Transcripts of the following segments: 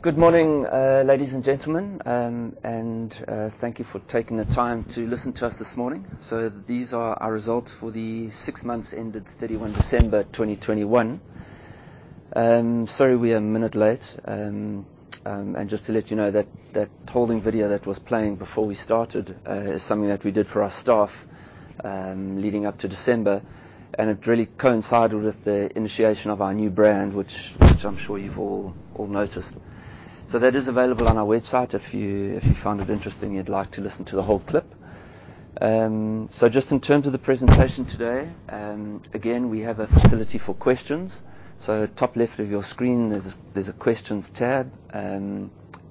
Good morning, ladies and gentlemen, and thank you for taking the time to listen to us this morning. These are our results for the six months ended 31 December 2021. Sorry we are a minute late. Just to let you know that that holding video that was playing before we started is something that we did for our staff leading up to December, and it really coincided with the initiation of our new brand, which I'm sure you've all noticed. That is available on our website if you found it interesting, you'd like to listen to the whole clip. Just in terms of the presentation today, again, we have a facility for questions. Top left of your screen there's a Questions tab.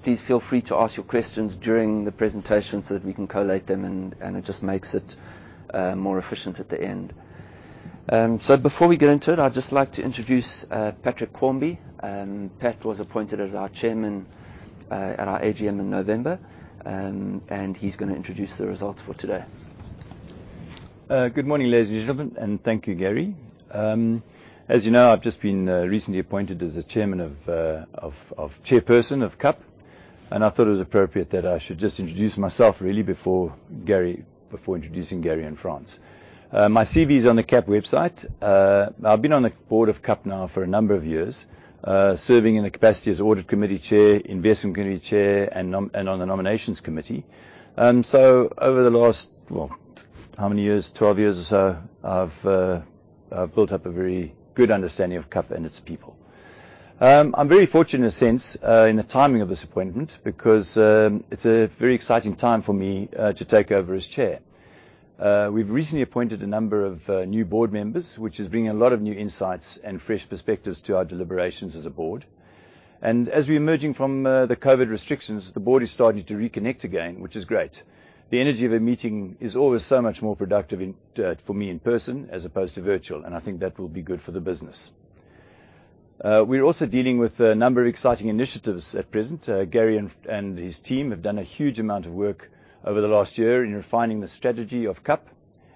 Please feel free to ask your questions during the presentation so that we can collate them and it just makes it more efficient at the end. Before we get into it, I'd just like to introduce Patrick Quarmby. Pat was appointed as our Chairman at our AGM in November. He's gonna introduce the results for today. Good morning, ladies and gentlemen, and thank you, Gary. As you know, I've just been recently appointed as the chairperson of KAP, and I thought it was appropriate that I should just introduce myself really before introducing Gary and Frans. My CV is on the KAP website. I've been on the board of KAP now for a number of years, serving in the capacity as audit committee chair, investment committee chair and on the nominations committee. So over the last 12 years or so, I've built up a very good understanding of KAP and its people. I'm very fortunate in a sense in the timing of this appointment because it's a very exciting time for me to take over as chair. We've recently appointed a number of new board members, which is bringing a lot of new insights and fresh perspectives to our deliberations as a board. As we're emerging from the COVID restrictions, the board is starting to reconnect again, which is great. The energy of a meeting is always so much more productive in for me in person as opposed to virtual, and I think that will be good for the business. We're also dealing with a number of exciting initiatives at present. Gary and his team have done a huge amount of work over the last year in refining the strategy of KAP,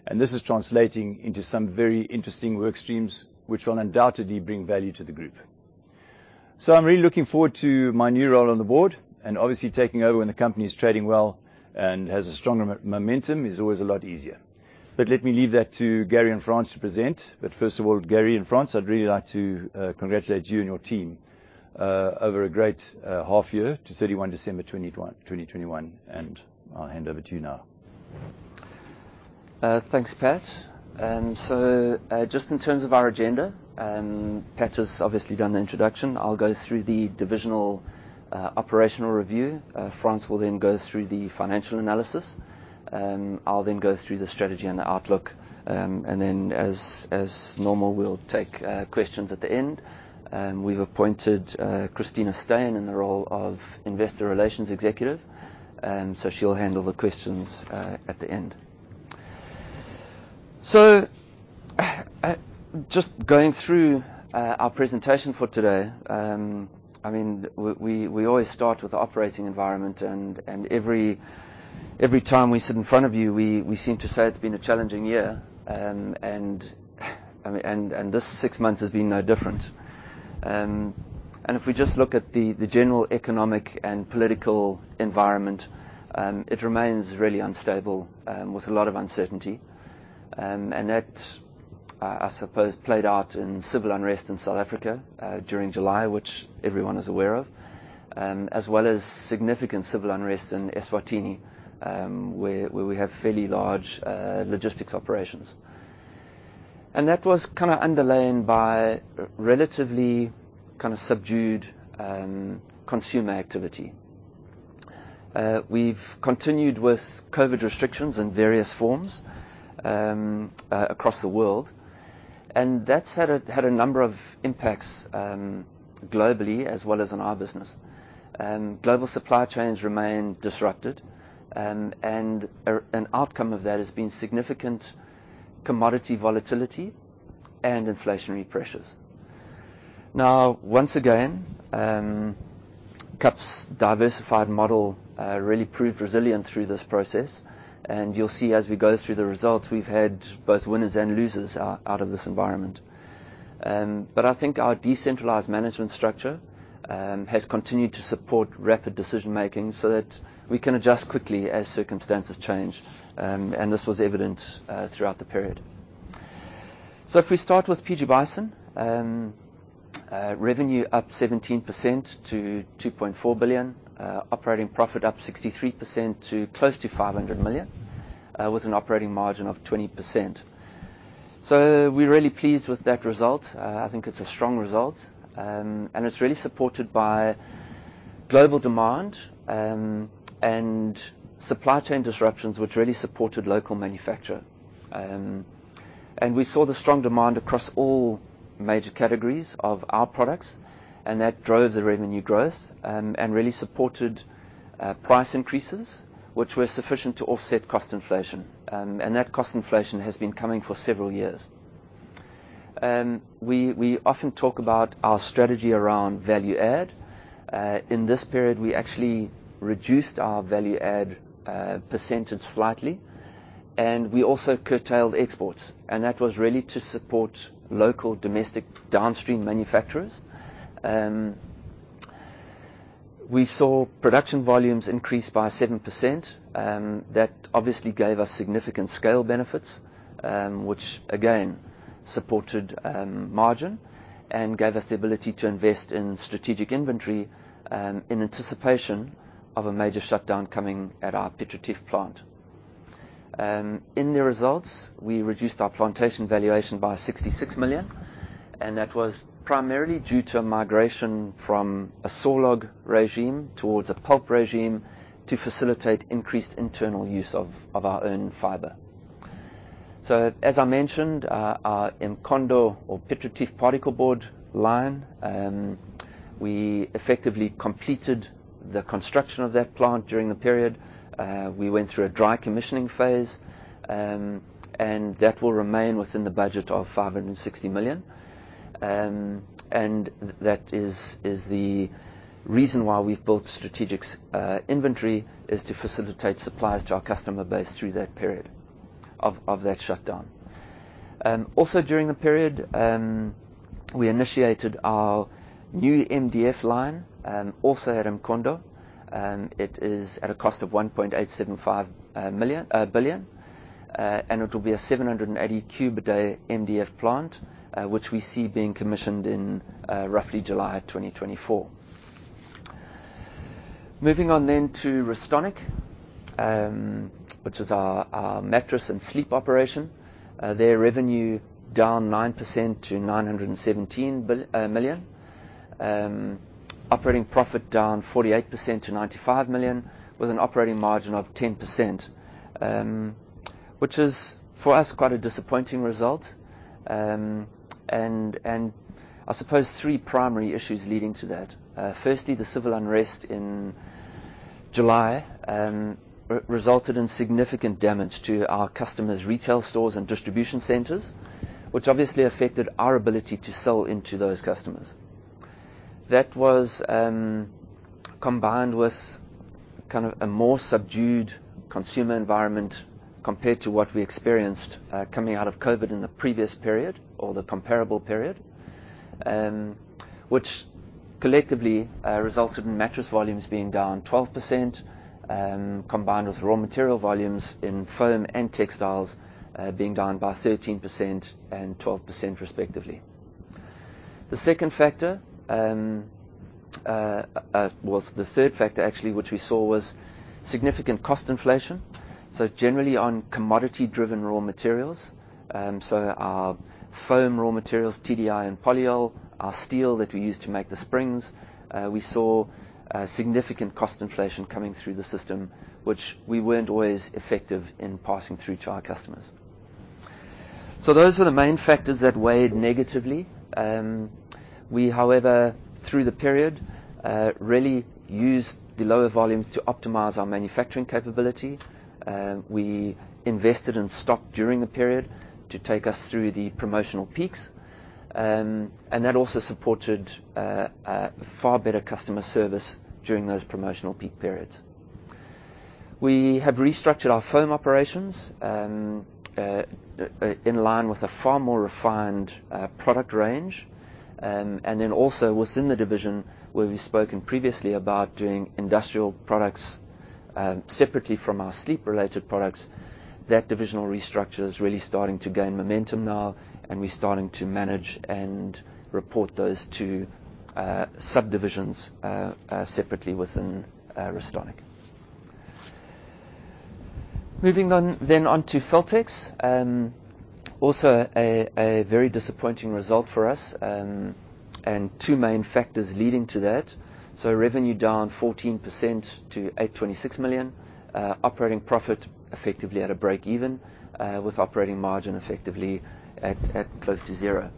and this is translating into some very interesting work streams which will undoubtedly bring value to the group. I'm really looking forward to my new role on the board and obviously taking over when the company is trading well and has a stronger momentum is always a lot easier. Let me leave that to Gary and Frans to present. First of all, Gary and Frans, I'd really like to congratulate you and your team over a great half year to 31 December 2021, and I'll hand over to you now. Thanks, Pat. So, just in terms of our agenda, Pat has obviously done the introduction. I'll go through the divisional operational review. Frans will then go through the financial analysis. I'll then go through the strategy and the outlook. Then as normal, we'll take questions at the end. We've appointed Christina Steyn in the role of Investor Relations Executive, so she'll handle the questions at the end. So, just going through our presentation for today, I mean, we always start with the operating environment and every time we sit in front of you, we seem to say it's been a challenging year. I mean, this six months has been no different. If we just look at the general economic and political environment, it remains really unstable, with a lot of uncertainty. That, I suppose, played out in civil unrest in South Africa during July, which everyone is aware of, as well as significant civil unrest in Eswatini, where we have fairly large logistics operations. That was kinda underlain by relatively kinda subdued consumer activity. We've continued with COVID restrictions in various forms across the world, and that's had a number of impacts globally as well as on our business. Global supply chains remain disrupted, and an outcome of that has been significant commodity volatility and inflationary pressures. Now, once again, KAP's diversified model really proved resilient through this process. You'll see as we go through the results, we've had both winners and losers out of this environment. But I think our decentralized management structure has continued to support rapid decision-making so that we can adjust quickly as circumstances change. This was evident throughout the period. If we start with PG Bison, revenue up 17% to 2.4 billion. Operating profit up 63% to close to 500 million, with an operating margin of 20%. We're really pleased with that result. I think it's a strong result. It's really supported by global demand and supply chain disruptions which really supported local manufacture. We saw the strong demand across all major categories of our products, and that drove the revenue growth, and really supported price increases which were sufficient to offset cost inflation. That cost inflation has been coming for several years. We often talk about our strategy around value add. In this period, we actually reduced our value add percentage slightly. We also curtailed exports, and that was really to support local domestic downstream manufacturers. We saw production volumes increase by 7%. That obviously gave us significant scale benefits, which again supported margin and gave us the ability to invest in strategic inventory in anticipation of a major shutdown coming at our Piet Retief plant. In the results, we reduced our plantation valuation by 66 million, and that was primarily due to a migration from a sawlog regime towards a pulp regime to facilitate increased internal use of our own fiber. As I mentioned, our Mkhondo or Piet Retief particleboard line, we effectively completed the construction of that plant during the period. We went through a dry commissioning phase, and that will remain within the budget of 560 million. That is the reason why we've built strategic inventory to facilitate supplies to our customer base through that period of that shutdown. Also during the period, we initiated our new MDF line, also at Mkhondo. It is at a cost of 1.875 billion. It will be a 780 cubic meters per day MDF plant, which we see being commissioned in roughly July 2024. Moving on to Restonic, which is our mattress and sleep operation. Their revenue down 9% to 917 million. Operating profit down 48% to 95 million with an operating margin of 10%, which is for us quite a disappointing result. I suppose three primary issues leading to that. Firstly, the civil unrest in July resulted in significant damage to our customers' retail stores and distribution centers, which obviously affected our ability to sell into those customers. That was combined with kind of a more subdued consumer environment compared to what we experienced coming out of COVID in the previous period or the comparable period, which collectively resulted in mattress volumes being down 12%, combined with raw material volumes in foam and textiles being down by 13% and 12% respectively. The second factor, well, the third factor actually, which we saw was significant cost inflation, so generally on commodity-driven raw materials. So our foam raw materials, TDI and polyol, our steel that we use to make the springs, we saw significant cost inflation coming through the system, which we weren't always effective in passing through to our customers. Those are the main factors that weighed negatively. We, however, through the period, really used the lower volumes to optimize our manufacturing capability. We invested in stock during the period to take us through the promotional peaks, and that also supported a far better customer service during those promotional peak periods. We have restructured our foam operations in line with a far more refined product range. Then also within the division where we've spoken previously about doing industrial products, separately from our sleep-related products, that divisional restructure is really starting to gain momentum now, and we're starting to manage and report those two subdivisions separately within Restonic. Moving on onto Feltex. Also a very disappointing result for us, and two main factors leading to that. Revenue down 14% to 826 million. Operating profit effectively at a break even, with operating margin effectively at close to zero.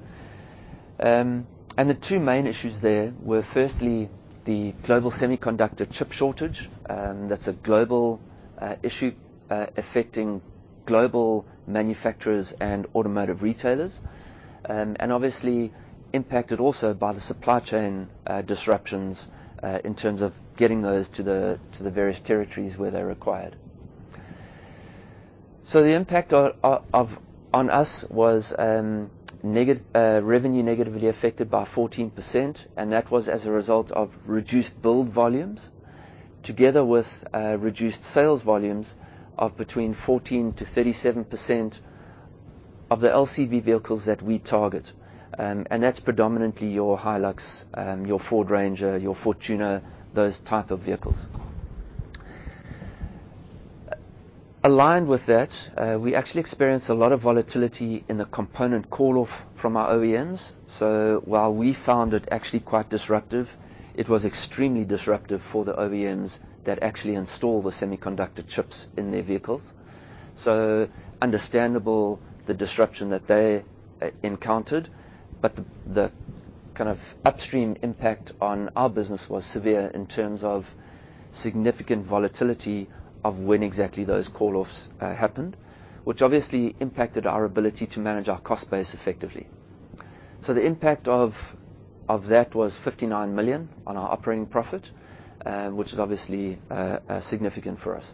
The two main issues there were firstly the global semiconductor chip shortage. That's a global issue affecting global manufacturers and automotive retailers, and obviously impacted also by the supply chain disruptions in terms of getting those to the various territories where they're required. So the impact on us was revenue negatively affected by 14%, and that was as a result of reduced build volumes together with reduced sales volumes of between 14%-37% of the LCV vehicles that we target. And that's predominantly your Hilux, your Ford Ranger, your Fortuner, those type of vehicles. Aligned with that, we actually experienced a lot of volatility in the component call-off from our OEMs. While we found it actually quite disruptive, it was extremely disruptive for the OEMs that actually install the semiconductor chips in their vehicles. It's understandable, the disruption that they encountered, but the kind of upstream impact on our business was severe in terms of significant volatility of when exactly those call-offs happened, which obviously impacted our ability to manage our cost base effectively. The impact of that was 59 million on our operating profit, which is obviously significant for us.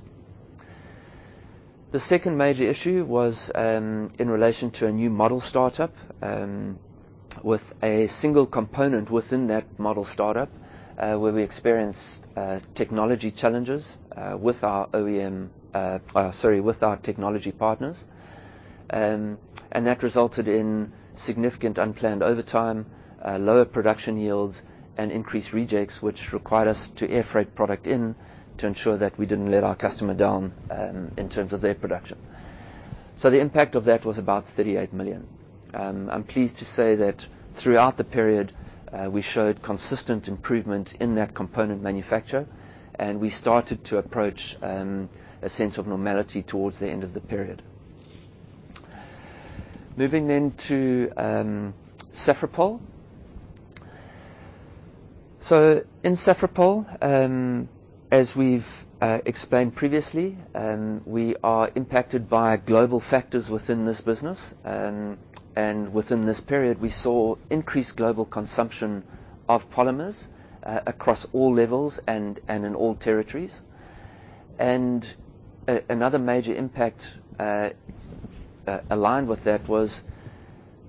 The second major issue was in relation to a new model startup with a single component within that model startup where we experienced technology challenges with our OEM, sorry, with our technology partners. That resulted in significant unplanned overtime, lower production yields, and increased rejects, which required us to air freight product in to ensure that we didn't let our customer down in terms of their production. The impact of that was about 38 million. I'm pleased to say that throughout the period, we showed consistent improvement in that component manufacture, and we started to approach a sense of normality towards the end of the period. Moving to Safripol. In Safripol, as we've explained previously, we are impacted by global factors within this business. Within this period, we saw increased global consumption of polymers across all levels and in all territories. Another major impact aligned with that was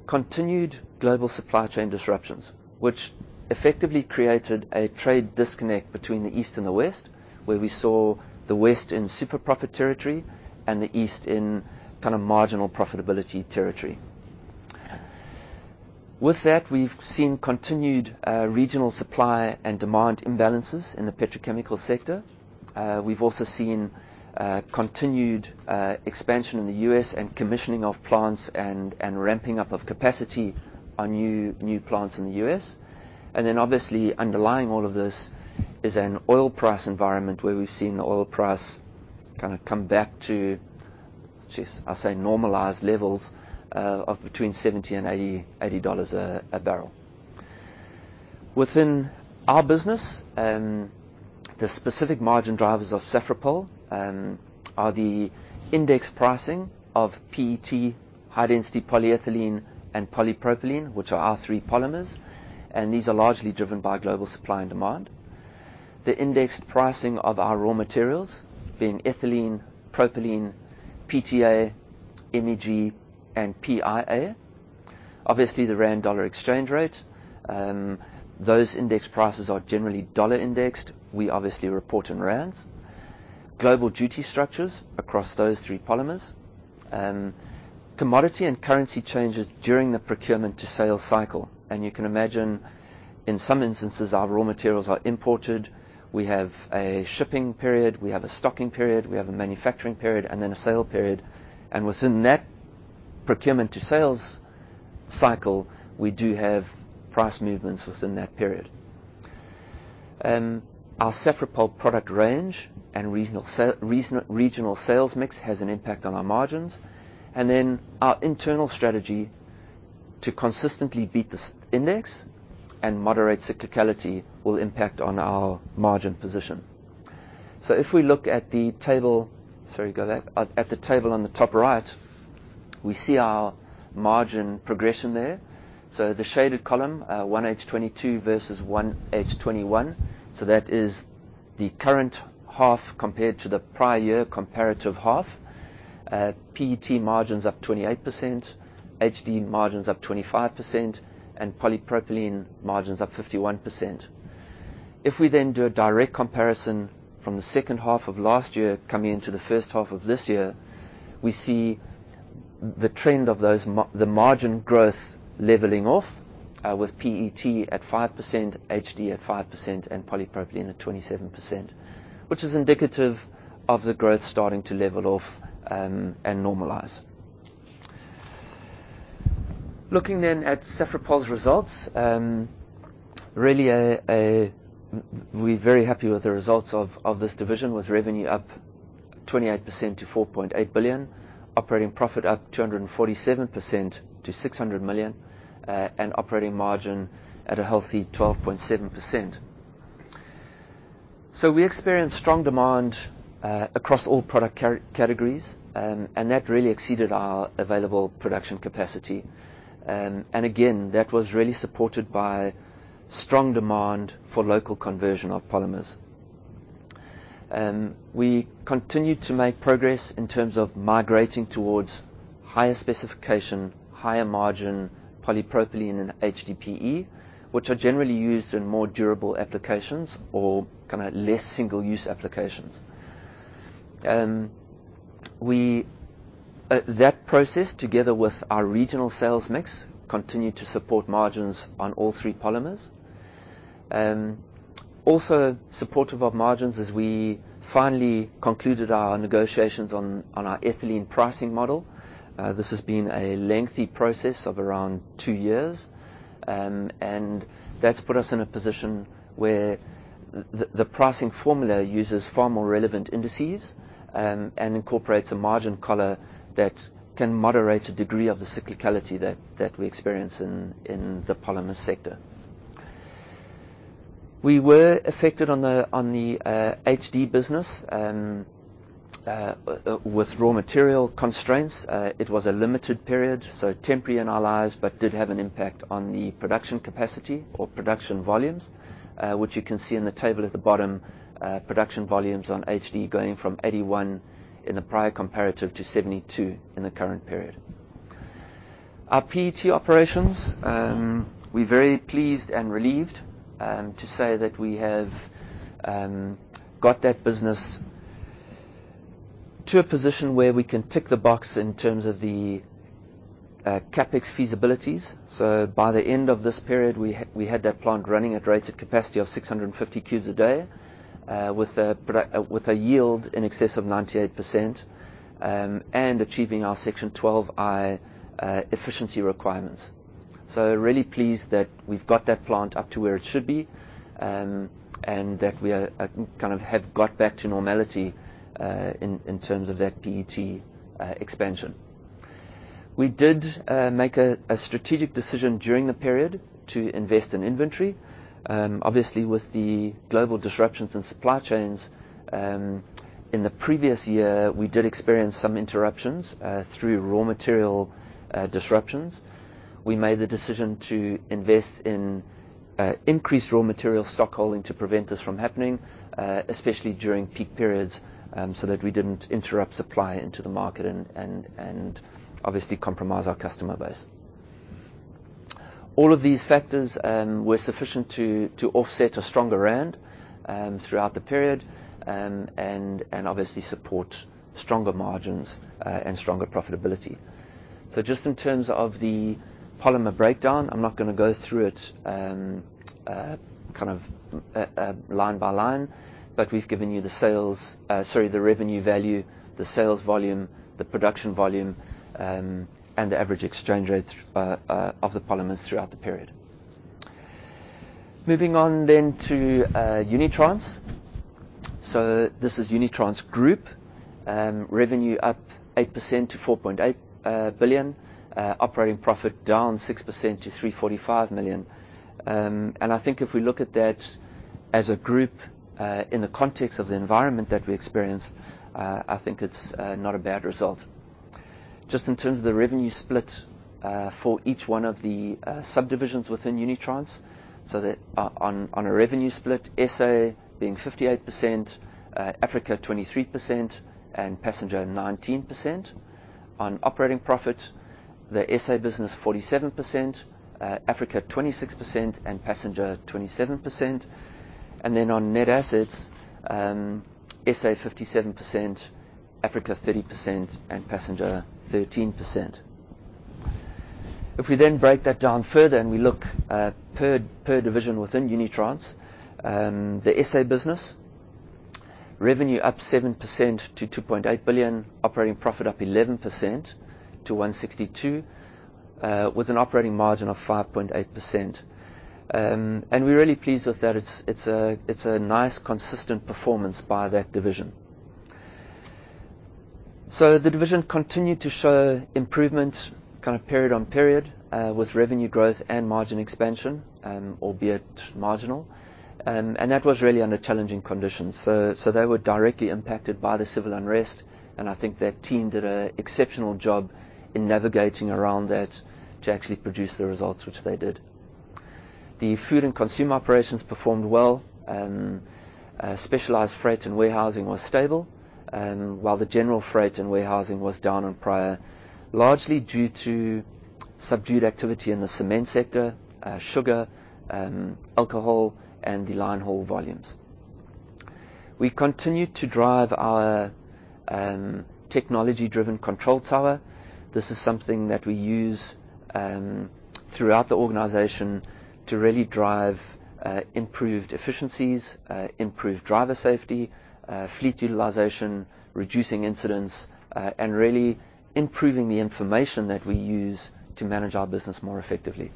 continued global supply chain disruptions, which effectively created a trade disconnect between the East and the West, where we saw the West in super profit territory and the East in kind of marginal profitability territory. With that, we've seen continued regional supply and demand imbalances in the petrochemical sector. We've also seen continued expansion in the U.S. and commissioning of plants and ramping up of capacity on new plants in the U.S. Obviously, underlying all of this is an oil price environment where we've seen the oil price kinda come back to just, I'll say, normalized levels of between $70 and $80 a barrel. Within our business, the specific margin drivers of Safripol are the index pricing of PET, high-density polyethylene, and polypropylene, which are our three polymers, and these are largely driven by global supply and demand. The indexed pricing of our raw materials being ethylene, propylene, PTA, MEG, and PIA. Obviously, the rand-dollar exchange rate, those index prices are generally dollar-indexed. We obviously report in rands. Global duty structures across those three polymers. Commodity and currency changes during the procurement to sale cycle, and you can imagine, in some instances, our raw materials are imported. We have a shipping period, we have a stocking period, we have a manufacturing period, and then a sale period. Within that procurement to sales cycle, we do have price movements within that period. Our Safripol product range and regional sales mix has an impact on our margins. Our internal strategy to consistently beat this index and moderate cyclicality will impact on our margin position. If we look at the table. At the table on the top right, we see our margin progression there. The shaded column, H1 2022 versus H1 2021, that is the current half compared to the prior year comparative half. PET margin's up 28%, HD margin's up 25%, and polypropylene margin's up 51%. If we then do a direct comparison from the second half of last year coming into the first half of this year, we see the trend of the margin growth leveling off, with PET at 5%, HD at 5%, and polypropylene at 27%, which is indicative of the growth starting to level off, and normalize. Looking then at Safripol's results. We're very happy with the results of this division with revenue up 28% to 4.8 billion, operating profit up 247% to 600 million, and operating margin at a healthy 12.7%. We experienced strong demand across all product categories, and that really exceeded our available production capacity. That was really supported by strong demand for local conversion of polymers. We continued to make progress in terms of migrating towards higher specification, higher margin polypropylene and HDPE, which are generally used in more durable applications or kinda less single-use applications. That process, together with our regional sales mix, continued to support margins on all three polymers. Also supportive of margins as we finally concluded our negotiations on our ethylene pricing model. This has been a lengthy process of around two years. That's put us in a position where the pricing formula uses far more relevant indices and incorporates a margin collar that can moderate a degree of the cyclicality that we experience in the polymer sector. We were affected on the HD business with raw material constraints. It was a limited period, so temporary in our lives, but did have an impact on the production capacity or production volumes, which you can see in the table at the bottom, production volumes on HD going from 81 in the prior comparative to 72 in the current period. Our PET operations, we're very pleased and relieved to say that we have got that business to a position where we can tick the box in terms of the CapEx feasibilities. By the end of this period, we had that plant running at rated capacity of 650 cubes a day, with a yield in excess of 98%, and achieving our Section 12I efficiency requirements. Really pleased that we've got that plant up to where it should be, and that we are kind of have got back to normality in terms of that PET expansion. We did make a strategic decision during the period to invest in inventory. Obviously, with the global disruptions in supply chains, in the previous year, we did experience some interruptions through raw material disruptions. We made the decision to invest in increased raw material stockpiling to prevent this from happening, especially during peak periods, so that we didn't interrupt supply into the market and obviously compromise our customer base. All of these factors were sufficient to offset a stronger rand throughout the period and obviously support stronger margins and stronger profitability. Just in terms of the polymer breakdown, I'm not gonna go through it kind of line by line, but we've given you the revenue value, the sales volume, the production volume, and the average exchange rates of the polymers throughout the period. Moving on to Unitrans. This is Unitrans Group. Revenue up 8% to 4.8 billion. Operating profit down 6% to 345 million. I think if we look at that as a group, in the context of the environment that we experienced, I think it's not a bad result. Just in terms of the revenue split, for each one of the subdivisions within Unitrans. That, on a revenue split, SA being 58%, Africa 23%, and Passenger 19%. On operating profit, the SA business 47%, Africa 26%, and Passenger 27%. On net assets, SA 57%, Africa 30%, and Passenger 13%. If we then break that down further and we look per division within Unitrans, the SA business, revenue up 7% to 2.8 billion, operating profit up 11% to 162 million, with an operating margin of 5.8%. We're really pleased with that. It's a nice, consistent performance by that division. The division continued to show improvement kind of period-on-period, with revenue growth and margin expansion, albeit marginal. That was really under challenging conditions. They were directly impacted by the civil unrest, and I think that team did an exceptional job in navigating around that to actually produce the results which they did. The food and consumer operations performed well. Specialized freight and warehousing were stable, while the general freight and warehousing was down on prior, largely due to subdued activity in the cement sector, sugar, alcohol, and the line haul volumes. We continued to drive our technology-driven control tower. This is something that we use throughout the organization to really drive improved efficiencies, improve driver safety, fleet utilization, reducing incidents, and really improving the information that we use to manage our business more effectively.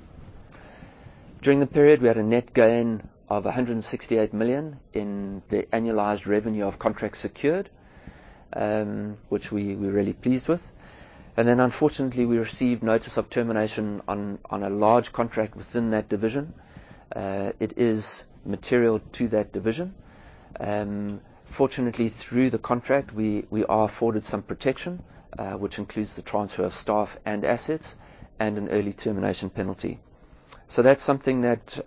During the period, we had a net gain of 168 million in the annualized revenue of contracts secured, which we're really pleased with. Then, unfortunately, we received notice of termination on a large contract within that division. It is material to that division. Fortunately, through the contract, we are afforded some protection, which includes the transfer of staff and assets and an early termination penalty. That's something that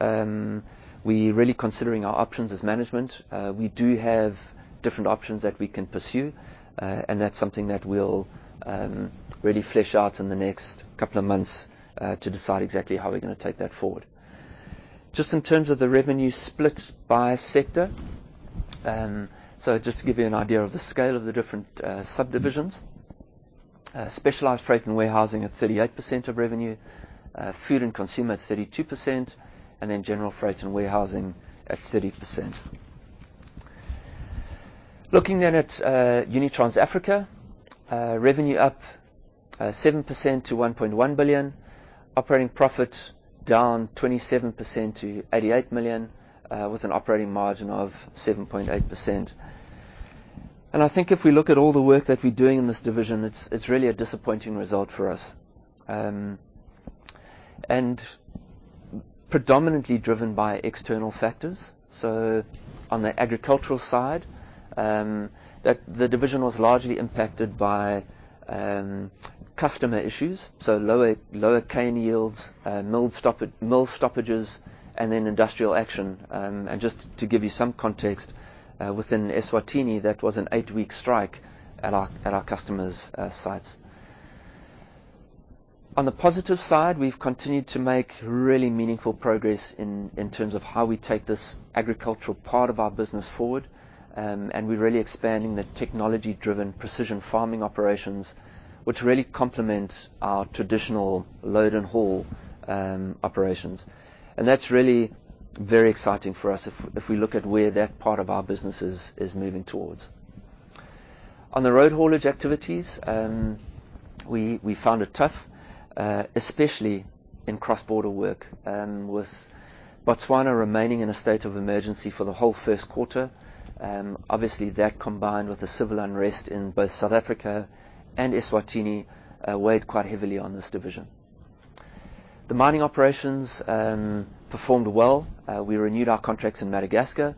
we're really considering our options as management. We do have different options that we can pursue, and that's something that we'll really flesh out in the next couple of months to decide exactly how we're gonna take that forward. Just in terms of the revenue split by sector, so just to give you an idea of the scale of the different subdivisions. Specialized freight and warehousing at 38% of revenue, food and consumer at 32%, and then general freight and warehousing at 30%. Looking at Unitrans Africa, revenue up 7% to 1.1 billion, operating profit down 27% to 88 million, with an operating margin of 7.8%. I think if we look at all the work that we're doing in this division, it's really a disappointing result for us, and predominantly driven by external factors. On the agricultural side, the division was largely impacted by customer issues, so lower cane yields, mill stoppages, and then industrial action. Just to give you some context, within Eswatini, that was an eight-week strike at our customer's sites. On the positive side, we've continued to make really meaningful progress in terms of how we take this agricultural part of our business forward, and we're really expanding the technology-driven precision farming operations, which really complement our traditional load and haul operations. That's really very exciting for us if we look at where that part of our business is moving towards. On the road haulage activities, we found it tough, especially in cross-border work, with Botswana remaining in a state of emergency for the whole first quarter. Obviously, that combined with the civil unrest in both South Africa and Eswatini weighed quite heavily on this division. The mining operations performed well. We renewed our contracts in Madagascar,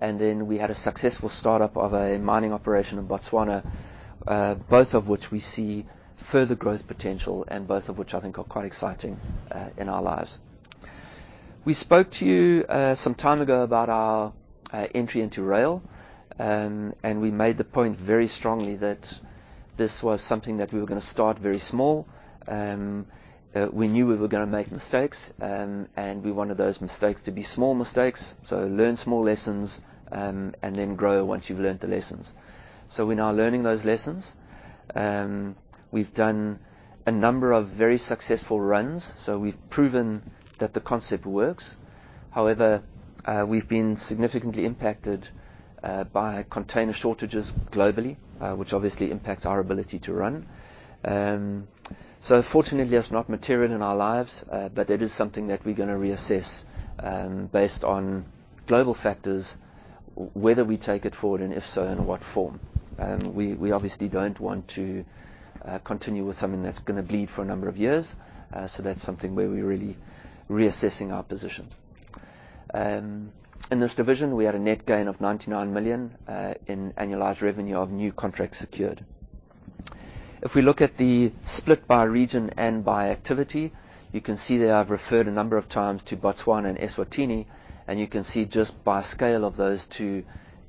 and then we had a successful startup of a mining operation in Botswana, both of which we see further growth potential and both of which I think are quite exciting, in our lives. We spoke to you some time ago about our entry into rail, and we made the point very strongly that this was something that we were gonna start very small. We knew we were gonna make mistakes, and we wanted those mistakes to be small mistakes, so learn small lessons, and then grow once you've learned the lessons. We're now learning those lessons. We've done a number of very successful runs, so we've proven that the concept works. However, we've been significantly impacted by container shortages globally, which obviously impacts our ability to run. Fortunately, that's not material in our lives, but it is something that we're gonna reassess, based on global factors, whether we take it forward, and if so, in what form. We obviously don't want to continue with something that's gonna bleed for a number of years, that's something where we're really reassessing our position. In this division, we had a net gain of 99 million in annualized revenue of new contracts secured. If we look at the split by region and by activity, you can see there I've referred a number of times to Botswana and Eswatini, and you can see just by scale of those two,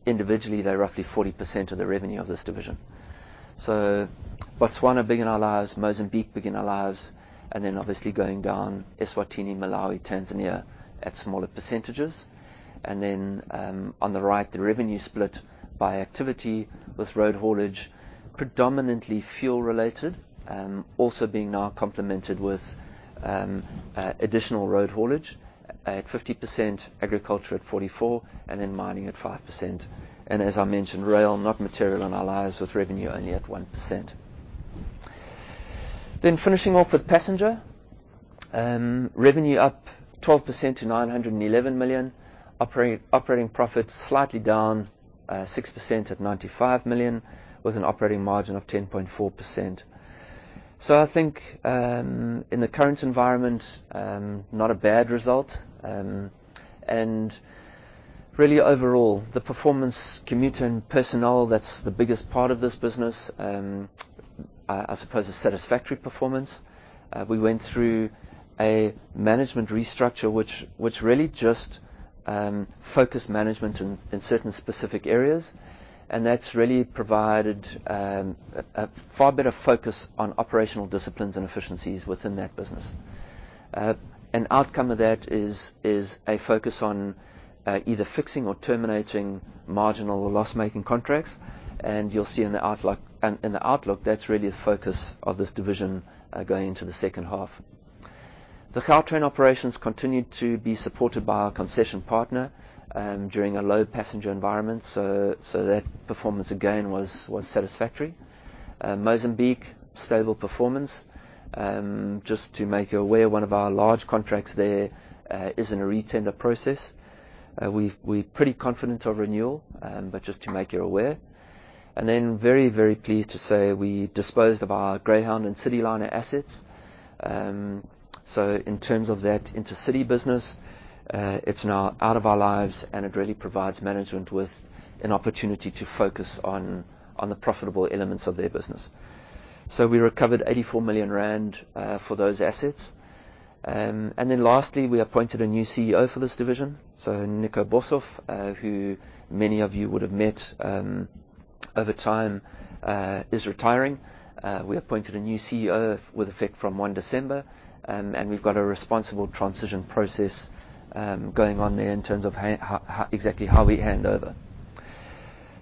individually, they're roughly 40% of the revenue of this division. Botswana big in our lives, Mozambique big in our lives, and then obviously going down, Eswatini, Malawi, Tanzania at smaller percentages. On the right, the revenue split by activity, with road haulage predominantly fuel-related, also being now complemented with additional road haulage at 50%, agriculture at 44%, and then mining at 5%. As I mentioned, rail not material in our lives with revenue only at 1%. Finishing off with passenger revenue up 12% to 911 million. Operating profit slightly down 6% at 95 million, with an operating margin of 10.4%. I think in the current environment not a bad result. Really overall, the performance commuter and personnel, that's the biggest part of this business, I suppose a satisfactory performance. We went through a management restructure, which really just focused management in certain specific areas, and that's really provided a far better focus on operational disciplines and efficiencies within that business. An outcome of that is a focus on either fixing or terminating marginal or loss-making contracts, and you'll see in the outlook, that's really the focus of this division going into the second half. The Gautrain operations continued to be supported by our concession partner during a low passenger environment, so that performance again was satisfactory. Mozambique, stable performance. Just to make you aware, one of our large contracts there is in a re-tender process. We're pretty confident of renewal, but just to make you aware. Very, very pleased to say we disposed of our Greyhound and Citiliner assets. In terms of that intercity business, it's now out of our lives, and it really provides management with an opportunity to focus on the profitable elements of their business. We recovered 84 million rand for those assets. And then lastly, we appointed a new CEO for this division. Nico Boshoff, who many of you would have met over time, is retiring. We appointed a new CEO with effect from 1 December, and we've got a responsible transition process going on there in terms of exactly how we hand over.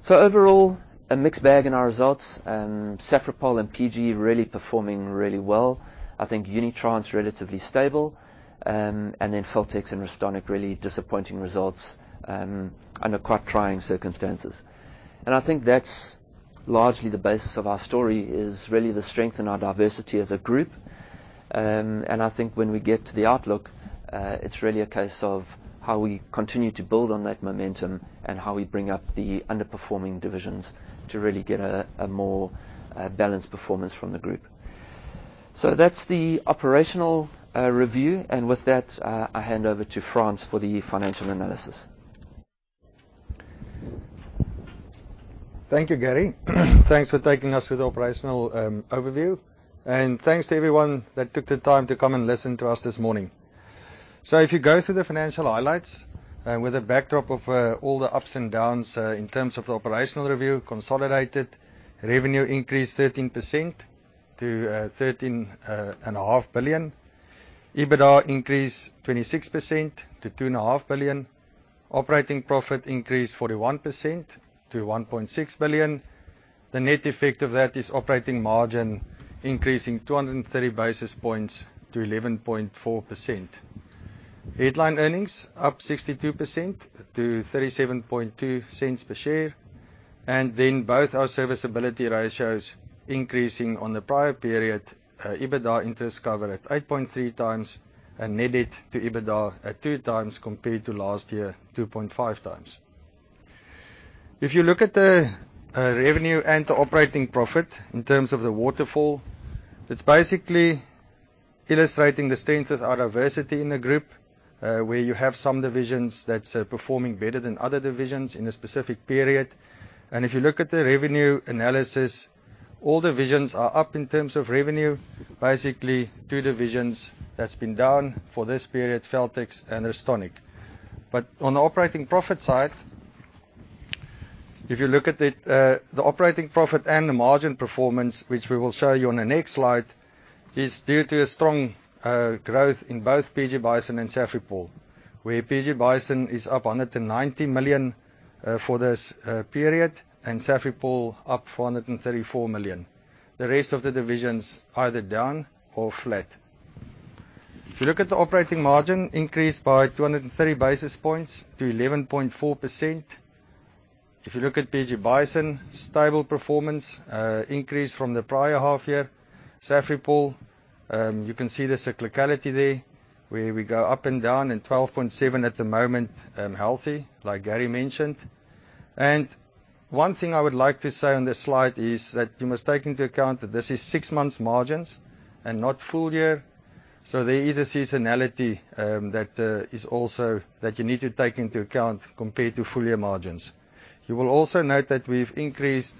Overall, a mixed bag in our results. Safripol and PG really performing really well. I think Unitrans relatively stable. Feltex and Restonic had really disappointing results under quite trying circumstances. I think that's largely the basis of our story, is really the strength in our diversity as a group. I think when we get to the outlook, it's really a case of how we continue to build on that momentum and how we bring up the underperforming divisions to really get a more balanced performance from the group. That's the operational review. With that, I hand over to Frans for the financial analysis. Thank you, Gary. Thanks for taking us through the operational overview. Thanks to everyone that took the time to come and listen to us this morning. If you go through the financial highlights with a backdrop of all the ups and downs in terms of the operational review, consolidated revenue increased 13% to 13.5 billion. EBITDA increased 26% to 2.5 billion. Operating profit increased 41% to 1.6 billion. The net effect of that is operating margin increasing 230 basis points to 11.4%. Headline earnings up 62% to 0.372 per share. Then both our serviceability ratios increasing on the prior period. EBITDA interest covered at 8.3x, and net debt to EBITDA at 2x compared to last year, 2.5x. If you look at the revenue and the operating profit in terms of the waterfall, it's basically illustrating the strength of our diversity in the group, where you have some divisions that's performing better than other divisions in a specific period. If you look at the revenue analysis, all divisions are up in terms of revenue. Basically, two divisions that's been down for this period, Feltex and Restonic. On the operating profit side, if you look at the operating profit and the margin performance, which we will show you on the next slide, is due to a strong growth in both PG Bison and Safripol, where PG Bison is up 190 million for this period, and Safripol up 434 million. The rest of the divisions either down or flat. If you look at the operating margin, increased by 230 basis points to 11.4%. If you look at PG Bison, stable performance, increase from the prior half year. Safripol, you can see the cyclicality there, where we go up and down and 12.7% at the moment, healthy, like Gary mentioned. One thing I would like to say on this slide is that you must take into account that this is six months margins and not full year. So there is a seasonality that you need to take into account compared to full year margins. You will also note that we've increased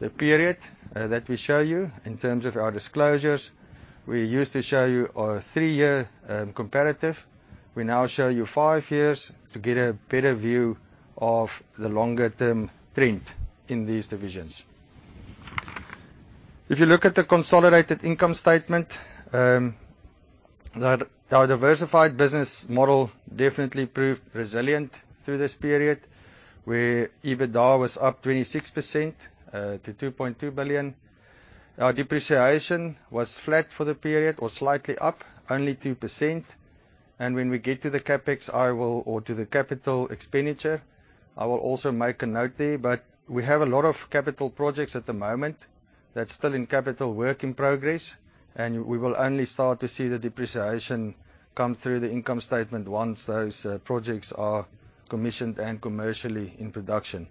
the period that we show you in terms of our disclosures. We used to show you a three-year comparative. We now show you five years to get a better view of the longer term trend in these divisions. If you look at the consolidated income statement, our diversified business model definitely proved resilient through this period, where EBITDA was up 26% to 2.2 billion. Our depreciation was flat for the period or slightly up, only 2%. When we get to the CapEx or to the capital expenditure, I will also make a note there. We have a lot of capital projects at the moment that's still in capital work in progress, and we will only start to see the depreciation come through the income statement once those projects are commissioned and commercially in production.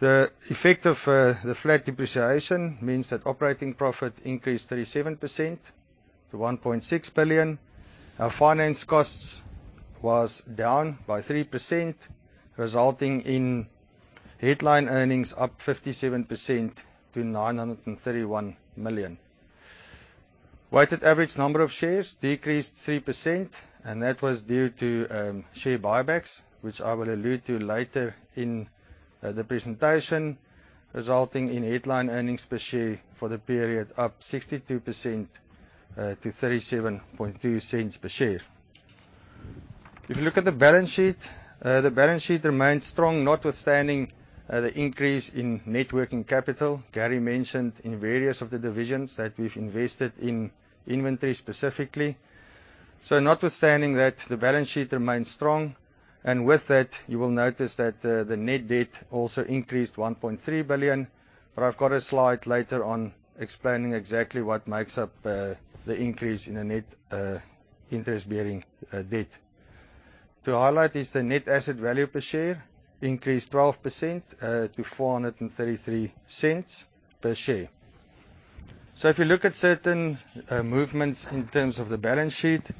The effect of the flat depreciation means that operating profit increased 37% to 1.6 billion. Our finance costs was down by 3%, resulting in headline earnings up 57% to 931 million. Weighted average number of shares decreased 3%, and that was due to share buybacks, which I will allude to later in the presentation, resulting in headline earnings per share for the period up 62% to 0.372 per share. If you look at the balance sheet, the balance sheet remains strong notwithstanding the increase in net working capital. Gary mentioned in various of the divisions that we've invested in inventory specifically. Notwithstanding that, the balance sheet remains strong. With that, you will notice that the net debt also increased 1.3 billion. I've got a slide later on explaining exactly what makes up the increase in the net interest-bearing debt. To highlight is the net asset value per share increased 12% to ZAR 4.33 per share. If you look at certain movements in terms of the balance sheet,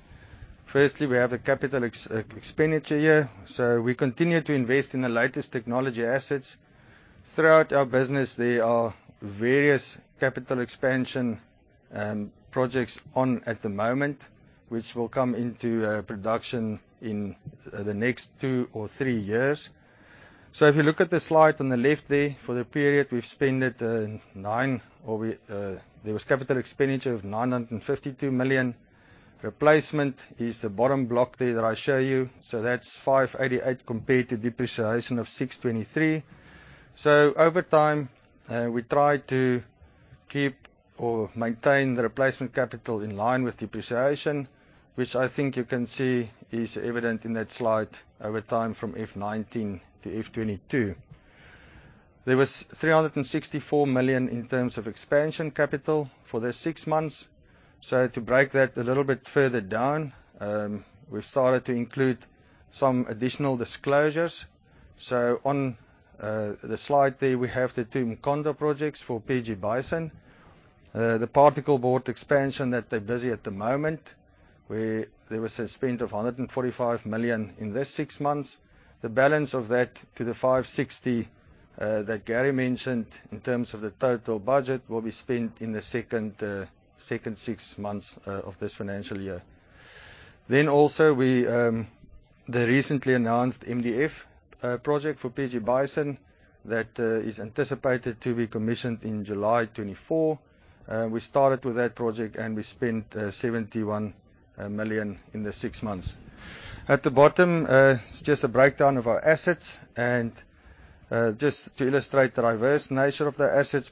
firstly, we have the capital expenditure here. We continue to invest in the latest technology assets. Throughout our business, there are various capital expansion projects on at the moment, which will come into production in the next two or three years. If you look at the slide on the left there, for the period, there was capital expenditure of 952 million. Replacement is the bottom block there that I show you. That's 588 million compared to depreciation of 623 million. Over time, we try to keep or maintain the replacement capital in line with depreciation, which I think you can see is evident in that slide over time from FY 2019 to FY 2022. There was 364 million in terms of expansion capital for this six months. To break that a little bit further down, we've started to include some additional disclosures. On the slide there, we have the two Mkhondo projects for PG Bison. The particle board expansion that they're busy at the moment, where there was a spend of 145 million in this six months. The balance of that to the 560 million that Gary mentioned in terms of the total budget, will be spent in the second six months of this financial year. Also we the recently announced MDF project for PG Bison that is anticipated to be commissioned in July 2024. We started with that project, and we spent 71 million in the six months. At the bottom is just a breakdown of our assets and just to illustrate the diverse nature of the assets.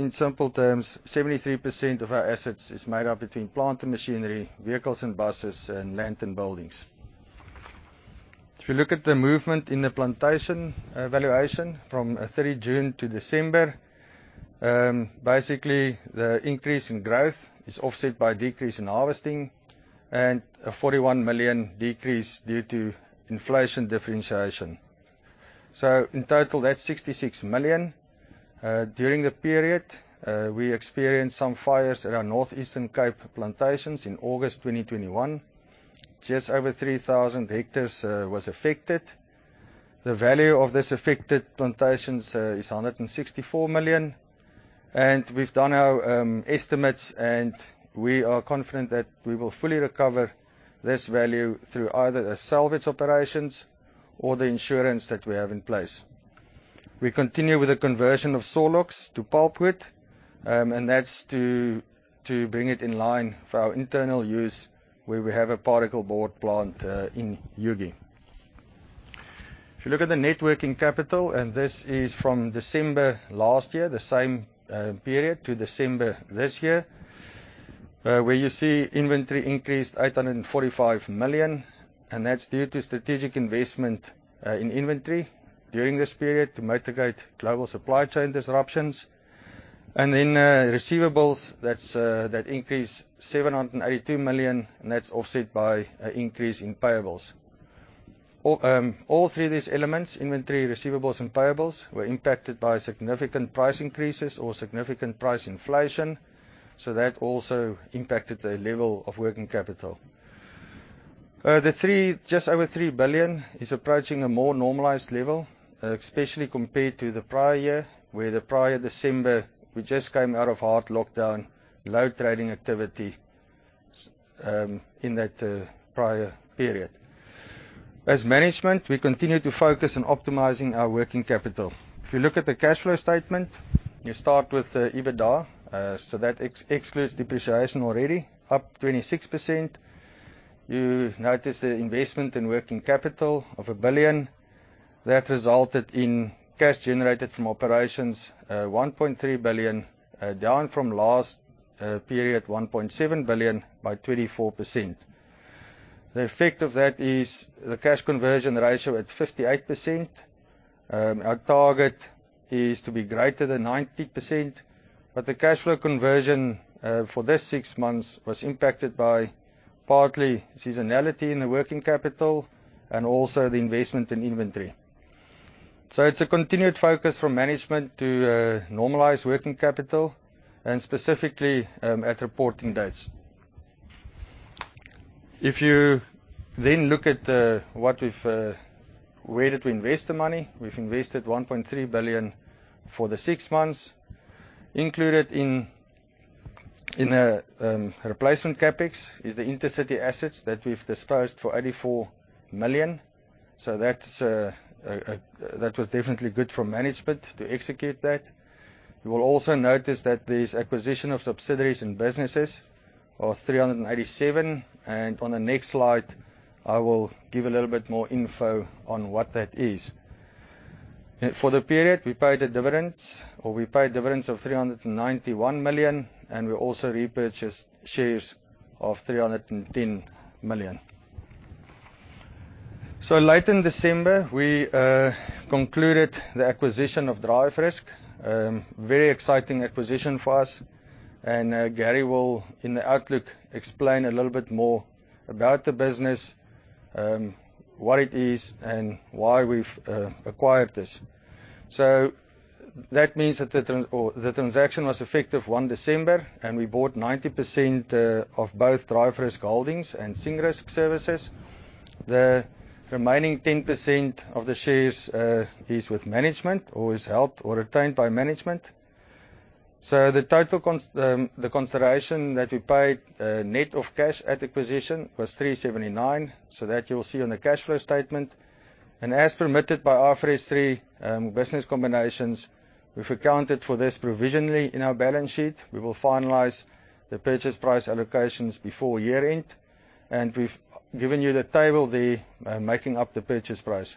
In simple terms, 73% of our assets is made up between plant and machinery, vehicles and buses and land and buildings. If you look at the movement in the plantation valuation from 3 June to December, basically the increase in growth is offset by decrease in harvesting and a 41 million decrease due to inflation differentiation. In total, that's 66 million. During the period, we experienced some fires around North Eastern Cape plantations in August 2021. Just over 3,000 hectares was affected. The value of this affected plantations is 164 million. We've done our estimates, and we are confident that we will fully recover this value through either the salvage operations or the insurance that we have in place. We continue with the conversion of saw logs to pulpwood, and that's to bring it in line for our internal use where we have a particleboard plant in Ugie. If you look at the net working capital, and this is from December last year, the same period to December this year, where you see inventory increased 845 million, and that's due to strategic investment in inventory during this period to mitigate global supply chain disruptions. Receivables that increased 782 million, and that's offset by an increase in payables. All three of these elements, inventory, receivables and payables, were impacted by significant price increases or significant price inflation. That also impacted the level of working capital. Just over 3 billion is approaching a more normalized level, especially compared to the prior year where the prior December we just came out of hard lockdown, low trading activity in that prior period. As management, we continue to focus on optimizing our working capital. If you look at the cash flow statement, you start with the EBITDA, so that excludes depreciation already, up 26%. You notice the investment in working capital of 1 billion. That resulted in cash generated from operations, 1.3 billion, down from last period 1.7 billion by 24%. The effect of that is the cash conversion ratio at 58%. Our target is to be greater than 90%. The cash flow conversion for this six months was impacted by partly seasonality in the working capital and also the investment in inventory. It's a continued focus from management to normalize working capital and specifically at reporting dates. If you then look at where we invested the money. We invested 1.3 billion for the six months. Included in replacement CapEx is the Intercity assets that we've disposed for 84 million. That's definitely good for management to execute that. You will also notice that there's acquisition of subsidiaries and businesses of 387 million, and on the next slide, I will give a little bit more info on what that is. For the period, we paid a dividend or we paid dividends of 391 million, and we also repurchased shares of 310 million. Late in December, we concluded the acquisition of DriveRisk. Very exciting acquisition for us. Gary will, in the outlook, explain a little bit more about the business, what it is and why we've acquired this. That means that the transaction was effective 1 December, and we bought 90% of both DriveRisk Holdings and SingRisk Services. The remaining 10% of the shares is with management or is held or retained by management. The total consideration that we paid, net of cash at acquisition was 379 million. That you'll see on the cash flow statement. As permitted by IFRS 3, business combinations, we've accounted for this provisionally in our balance sheet. We will finalize the purchase price allocations before year-end. We've given you the table there, making up the purchase price.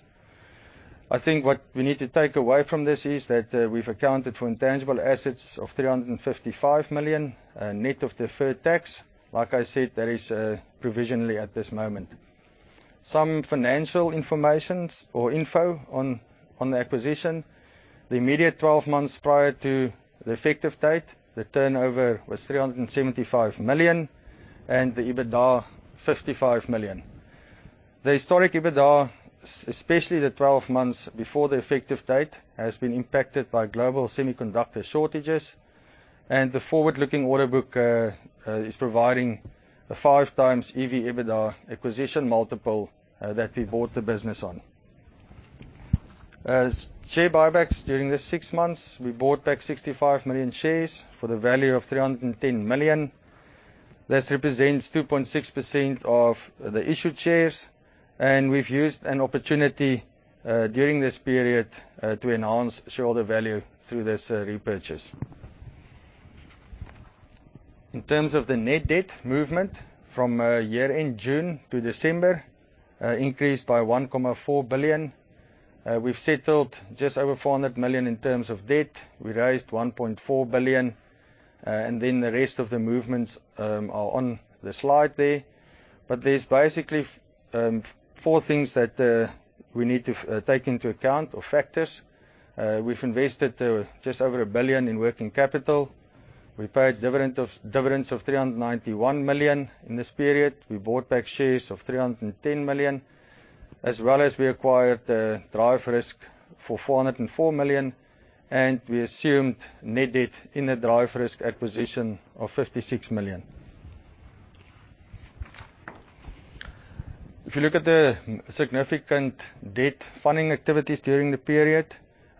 I think what we need to take away from this is that, we've accounted for intangible assets of 355 million, net of deferred tax. Like I said, that is provisionally at this moment. Some financial information or info on the acquisition. The immediate twelve months prior to the effective date, the turnover was 375 million, and the EBITDA 55 million. The historic EBITDA, especially the 12 months before the effective date, has been impacted by global semiconductor shortages, and the forward-looking order book is providing a 5x EV/EBITDA acquisition multiple that we bought the business on. Share buybacks during this six months, we bought back 65 million shares for the value of 310 million. This represents 2.6% of the issued shares, and we've used an opportunity during this period to enhance shareholder value through this repurchase. In terms of the net debt movement from year-end June to December, it increased by 1.4 billion. We've settled just over 400 million in terms of debt. We raised 1.4 billion, and then the rest of the movements are on the slide there. There's basically four things that we need to take into account or factors. We've invested just over 1 billion in working capital. We paid dividends of 391 million in this period. We bought back shares of 310 million, as well as we acquired DriveRisk for 404 million, and we assumed net debt in the DriveRisk acquisition of 56 million. If you look at the significant debt funding activities during the period,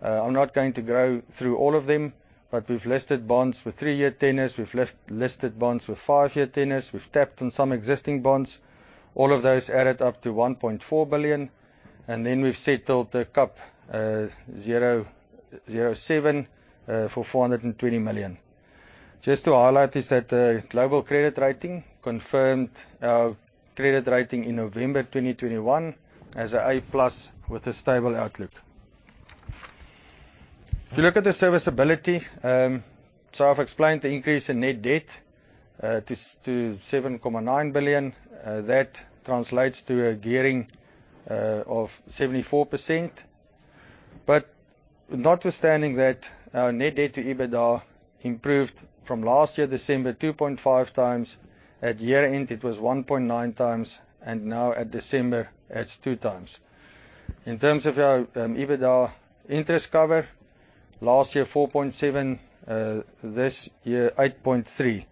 I'm not going to go through all of them, but we've listed bonds with three-year tenors. We've listed bonds with five-year tenors. We've tapped on some existing bonds. All of those added up to 1.4 billion, and then we've settled the CP 007 for 420 million. Just to highlight is that, Global Credit Ratings confirmed our credit rating in November 2021 as A+ with a stable outlook. If you look at the servicability, I've explained the increase in net debt to 7.9 billion. That translates to a gearing of 74%. Notwithstanding that, our net debt to EBITDA improved from last year December 2.5x. At year-end, it was 1.9x, and now at December, it's 2x. In terms of our EBITDA interest cover, last year, 4.7x, this year, 8.3x.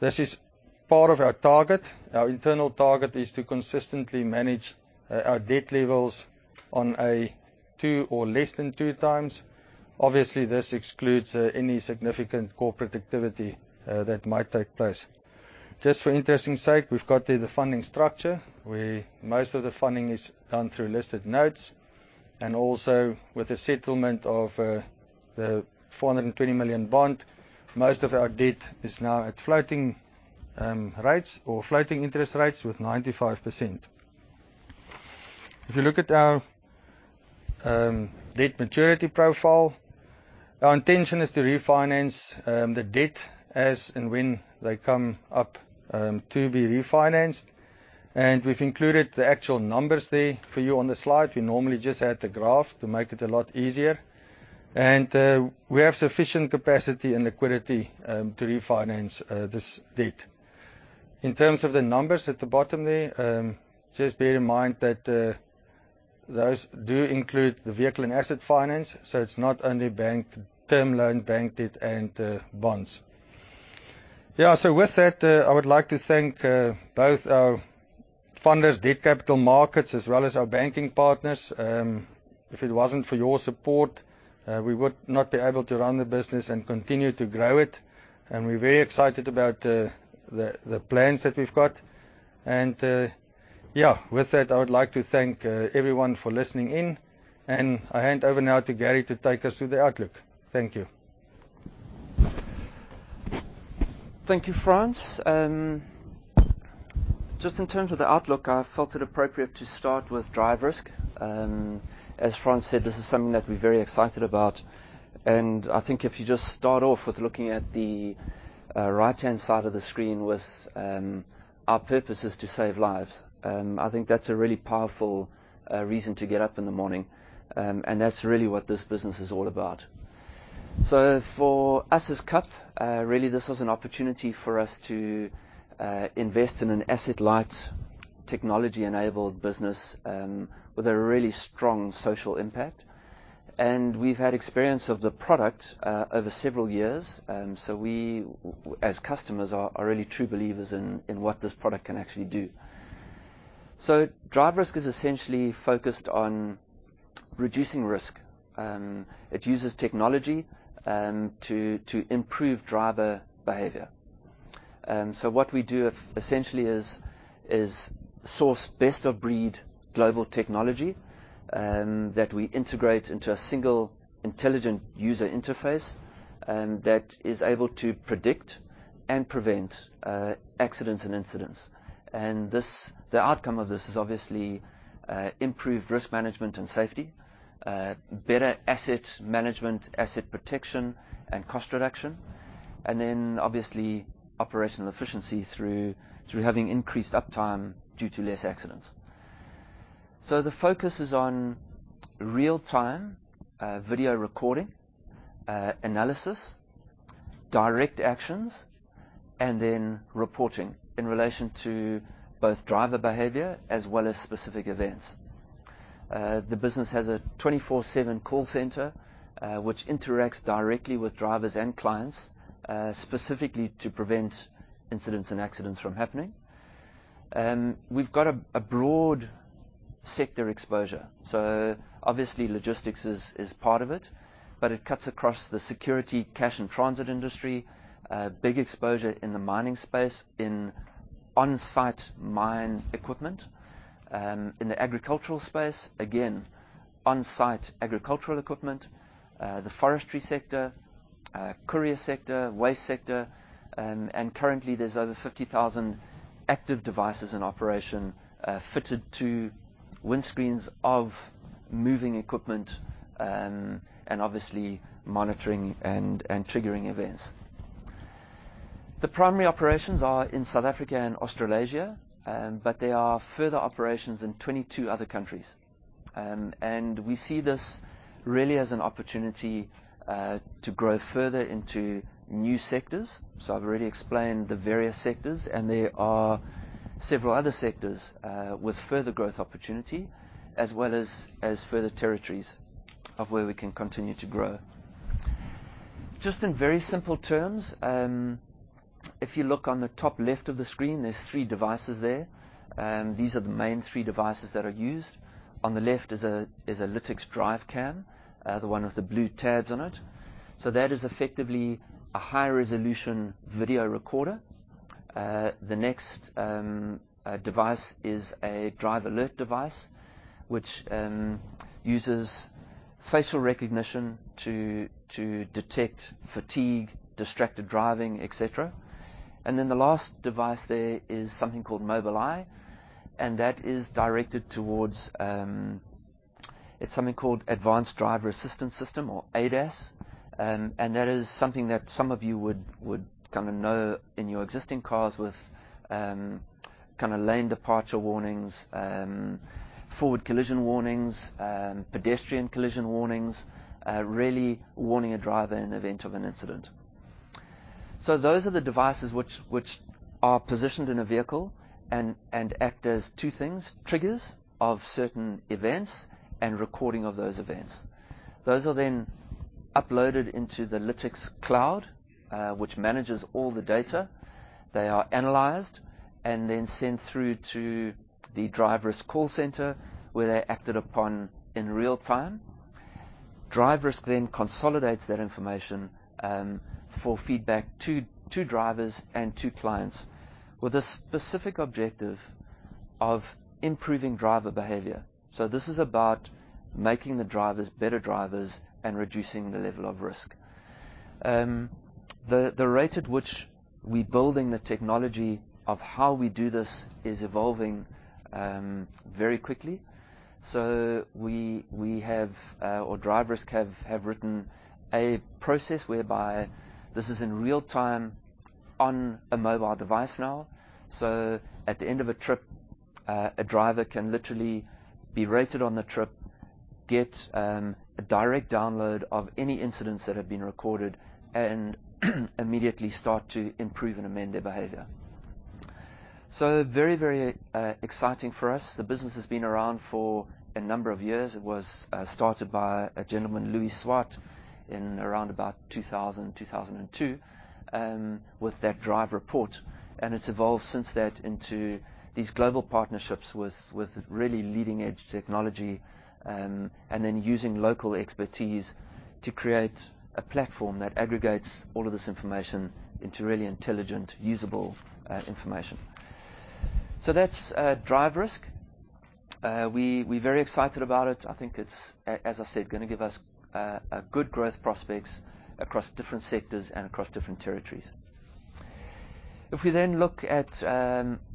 This is part of our target. Our internal target is to consistently manage our debt levels on a 2x or less than 2x. Obviously, this excludes any significant corporate activity that might take place. Just for interest's sake, we've got there the funding structure, where most of the funding is done through listed notes. Also with the settlement of the 420 million bond, most of our debt is now at floating rates or floating interest rates with 95%. If you look at our debt maturity profile, our intention is to refinance the debt as and when they come up to be refinanced. We've included the actual numbers there for you on the slide. We normally just add the graph to make it a lot easier. We have sufficient capacity and liquidity to refinance this debt. In terms of the numbers at the bottom there, just bear in mind that those do include the vehicle and asset finance, so it's not only bank term loan bank debt and bonds. Yeah. With that, I would like to thank both our funders, Debt Capital Markets, as well as our banking partners. If it wasn't for your support, we would not be able to run the business and continue to grow it. We're very excited about the plans that we've got. Yeah, with that, I would like to thank everyone for listening in, and I hand over now to Gary to take us through the outlook. Thank you. Thank you, Frans. Just in terms of the outlook, I felt it appropriate to start with DriveRisk. As Frans said, this is something that we're very excited about. I think if you just start off with looking at the right-hand side of the screen with our purpose is to save lives. I think that's a really powerful reason to get up in the morning. That's really what this business is all about. For us as KAP, really this was an opportunity for us to invest in an asset-light, technology-enabled business with a really strong social impact. We've had experience of the product over several years. We as customers are really true believers in what this product can actually do. DriveRisk is essentially focused on reducing risk. It uses technology to improve driver behavior. What we do essentially is source best-of-breed global technology that we integrate into a single intelligent user interface that is able to predict and prevent accidents and incidents. This, the outcome of this is obviously improved risk management and safety, better asset management, asset protection and cost reduction, and then obviously operational efficiency through having increased uptime due to less accidents. The focus is on real-time video recording analysis, direct actions, and then reporting in relation to both driver behavior as well as specific events. The business has a 24/7 call center which interacts directly with drivers and clients specifically to prevent incidents and accidents from happening. We've got a broad sector exposure, so obviously logistics is part of it, but it cuts across the security, cash and transit industry, a big exposure in the mining space in on-site mine equipment, in the agricultural space, again, on-site agricultural equipment, the forestry sector, courier sector, waste sector, and currently there's over 50,000 active devices in operation, fitted to windscreens of moving equipment, and obviously monitoring and triggering events. The primary operations are in South Africa and Australasia, but there are further operations in 22 other countries. We see this really as an opportunity to grow further into new sectors. I've already explained the various sectors, and there are several other sectors with further growth opportunity as well as further territories of where we can continue to grow. Just in very simple terms, if you look on the top left of the screen, there's three devices there. These are the main three devices that are used. On the left is a Lytx DriveCam, the one with the blue tabs on it. That is effectively a high-resolution video recorder. The next device is a Driver Alert device, which uses facial recognition to detect fatigue, distracted driving, et cetera. Then the last device there is something called Mobileye, and that is directed towards. It's something called advanced driver-assistance system or ADAS. That is something that some of you would kinda know in your existing cars with kinda lane departure warnings, forward collision warnings, pedestrian collision warnings, really warning a driver in event of an incident. Those are the devices which are positioned in a vehicle and act as two things, triggers of certain events and recording of those events. Those are then uploaded into the Lytx cloud, which manages all the data. They are analyzed and then sent through to the DriveRisk call center, where they're acted upon in real time. DriveRisk then consolidates that information, for feedback to drivers and to clients with a specific objective of improving driver behavior. This is about making the drivers better drivers and reducing the level of risk. The rate at which we building the technology of how we do this is evolving very quickly. We have, or DriveRisk have, written a process whereby this is in real time on a mobile device now. At the end of a trip, a driver can literally be rated on the trip, get a direct download of any incidents that have been recorded, and immediately start to improve and amend their behavior. Very exciting for us. The business has been around for a number of years. It was started by a gentleman, Louis Swart, in around 2002, with that DriveRisk. It's evolved since that into these global partnerships with really leading-edge technology, and then using local expertise to create a platform that aggregates all of this information into really intelligent, usable information. That's DriveRisk. We're very excited about it. I think it's, as I said, gonna give us a good growth prospects across different sectors and across different territories. If we then look at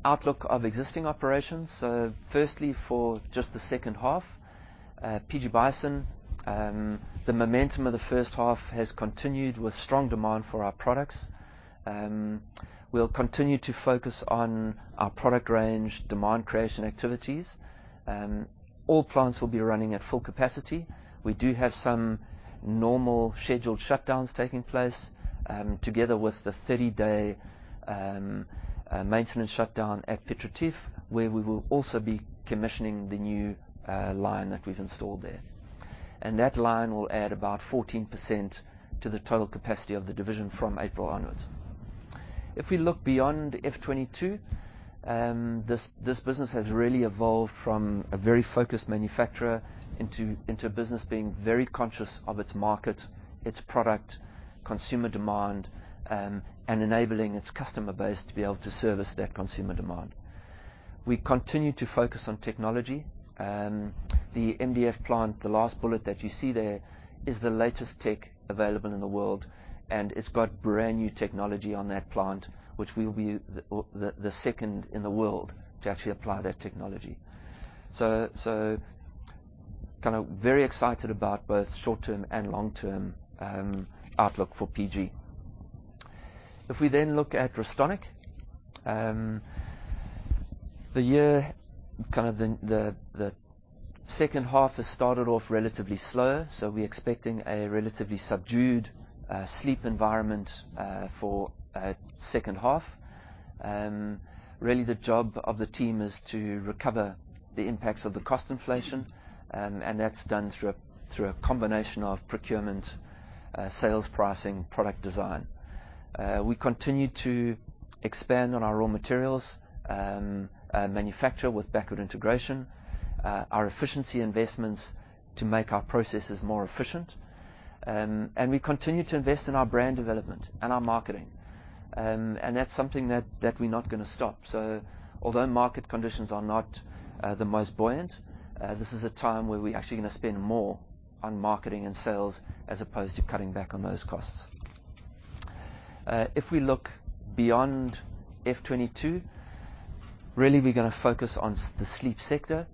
outlook of existing operations, firstly, for just the second half, PG Bison, the momentum of the first half has continued with strong demand for our products. We'll continue to focus on our product range demand creation activities. All plants will be running at full capacity. We do have some normal scheduled shutdowns taking place, together with the 30-day maintenance shutdown at Piet Retief, where we will also be commissioning the new line that we've installed there. That line will add about 14% to the total capacity of the division from April onwards. If we look beyond FY 2022, this business has really evolved from a very focused manufacturer into a business being very conscious of its market, its product, consumer demand, and enabling its customer base to be able to service that consumer demand. We continue to focus on technology. The MDF plant, the last bullet that you see there, is the latest tech available in the world, and it's got brand-new technology on that plant, which we will be the second in the world to actually apply that technology. So kinda very excited about both short-term and long-term outlook for PG. If we then look at Restonic, the second half has started off relatively slow, so we're expecting a relatively subdued sleep environment for second half. Really the job of the team is to recover the impacts of the cost inflation, and that's done through a combination of procurement, sales pricing, product design. We continue to expand on our raw materials manufacture with backward integration, our efficiency investments to make our processes more efficient. We continue to invest in our brand development and our marketing, and that's something that we're not gonna stop. Although market conditions are not the most buoyant, this is a time where we're actually gonna spend more on marketing and sales as opposed to cutting back on those costs. If we look beyond FY 2022, really we're gonna focus on the sleep sector,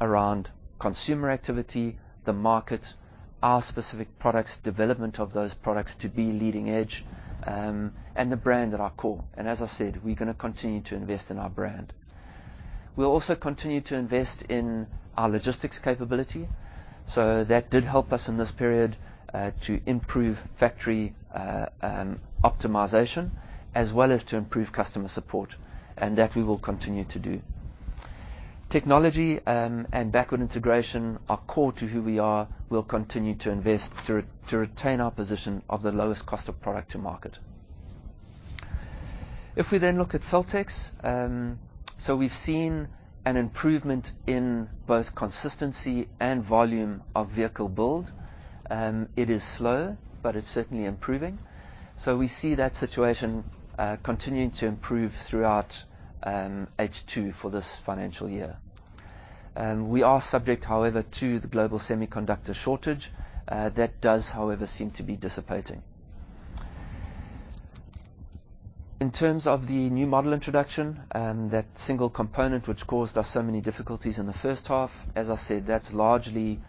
around consumer activity, the market, our specific products, development of those products to be leading edge, and the brand at our core. As I said, we're gonna continue to invest in our brand. We'll also continue to invest in our logistics capability. That did help us in this period, to improve factory optimization as well as to improve customer support, and that we will continue to do. Technology and backward integration are core to who we are. We'll continue to invest to retain our position of the lowest cost of product to market. If we look at Feltex, we've seen an improvement in both consistency and volume of vehicle build. It is slow, but it's certainly improving. We see that situation continuing to improve throughout H2 for this financial year. We are subject, however, to the global semiconductor shortage. That does, however, seem to be dissipating. In terms of the new model introduction, that single component which caused us so many difficulties in the first half, as I said, that's largely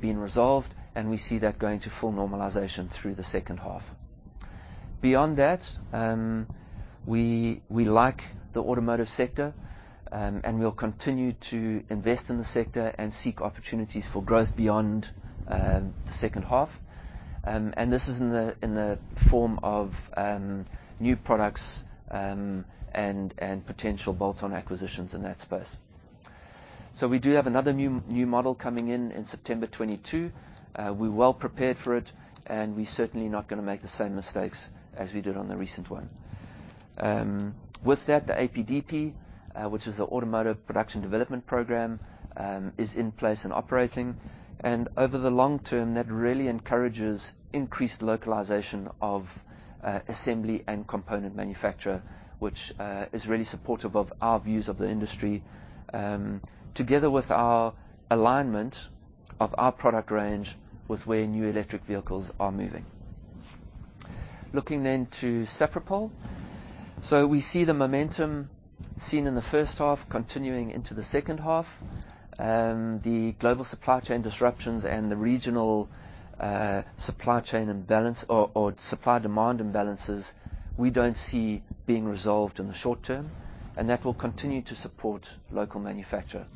been resolved, and we see that going to full normalization through the second half. Beyond that, we like the automotive sector, and we'll continue to invest in the sector and seek opportunities for growth beyond the second half. This is in the form of new products and potential bolt-on acquisitions in that space. We do have another new model coming in in September 2022. We're well prepared for it, and we're certainly not gonna make the same mistakes as we did on the recent one. With that, the APDP, which is the Automotive Production and Development Program, is in place and operating, and over the long term, that really encourages increased localization of assembly and component manufacture, which is really supportive of our views of the industry, together with our alignment of our product range with where new electric vehicles are moving. Looking then to Safripol. We see the momentum seen in the first half continuing into the second half. The global supply chain disruptions and the regional supply chain imbalance or supply-demand imbalances, we don't see being resolved in the short term, and that will continue to support local manufacture.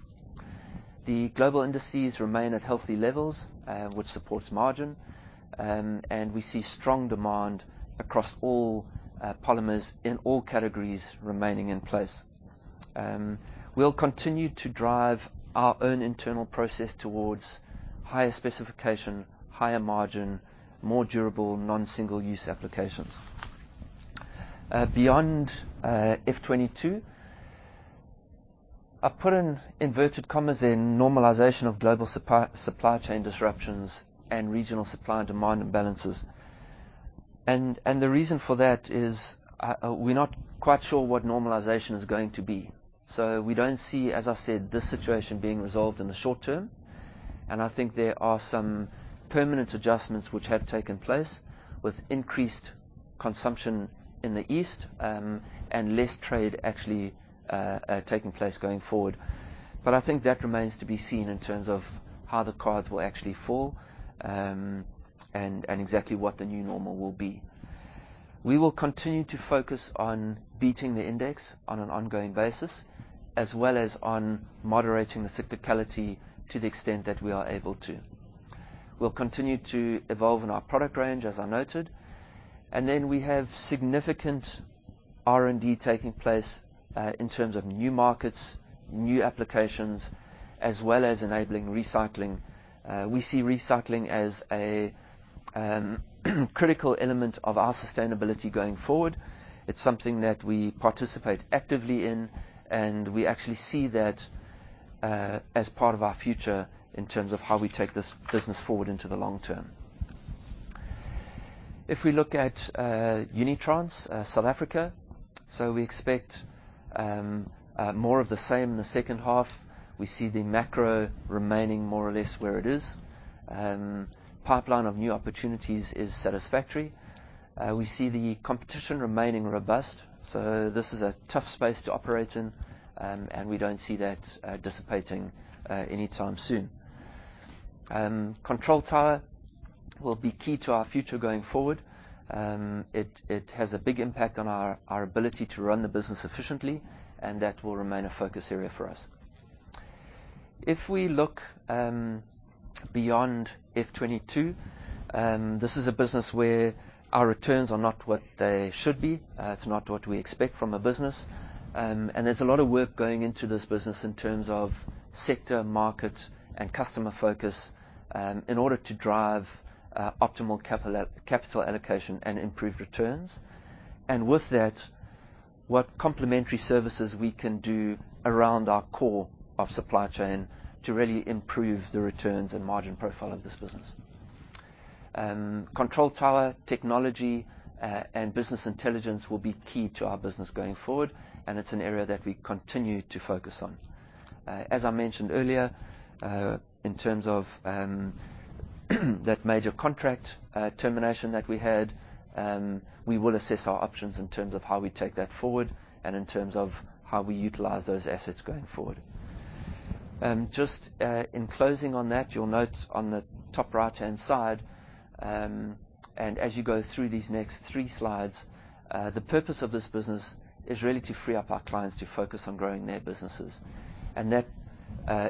The global indices remain at healthy levels, which supports margin, and we see strong demand across all polymers in all categories remaining in place. We'll continue to drive our own internal process towards higher specification, higher margin, more durable, non-single-use applications. Beyond FY 2022, I've put in inverted commas there, "normalization of global supply chain disruptions and regional supply and demand imbalances." The reason for that is, we're not quite sure what normalization is going to be. We don't see, as I said, this situation being resolved in the short term, and I think there are some permanent adjustments which have taken place with increased consumption in the East, and less trade actually taking place going forward. I think that remains to be seen in terms of how the cards will actually fall, and exactly what the new normal will be. We will continue to focus on beating the index on an ongoing basis, as well as on moderating the cyclicality to the extent that we are able to. We'll continue to evolve in our product range, as I noted. We have significant R&D taking place in terms of new markets, new applications, as well as enabling recycling. We see recycling as a critical element of our sustainability going forward. It's something that we participate actively in, and we actually see that as part of our future in terms of how we take this business forward into the long term. If we look at Unitrans, South Africa, so we expect more of the same in the second half. We see the macro remaining more or less where it is. Pipeline of new opportunities is satisfactory. We see the competition remaining robust, so this is a tough space to operate in, and we don't see that dissipating anytime soon. Control tower will be key to our future going forward. It has a big impact on our ability to run the business efficiently, and that will remain a focus area for us. If we look beyond FY 2022, this is a business where our returns are not what they should be. It's not what we expect from a business. There's a lot of work going into this business in terms of sector, market, and customer focus, in order to drive optimal capital allocation and improve returns, and with that, what complementary services we can do around our core of supply chain to really improve the returns and margin profile of this business. Control tower technology and business intelligence will be key to our business going forward, and it's an area that we continue to focus on. As I mentioned earlier, in terms of that major contract termination that we had, we will assess our options in terms of how we take that forward and in terms of how we utilize those assets going forward. Just in closing on that, you'll note on the top right-hand side, and as you go through these next three slides, the purpose of this business is really to free up our clients to focus on growing their businesses, and that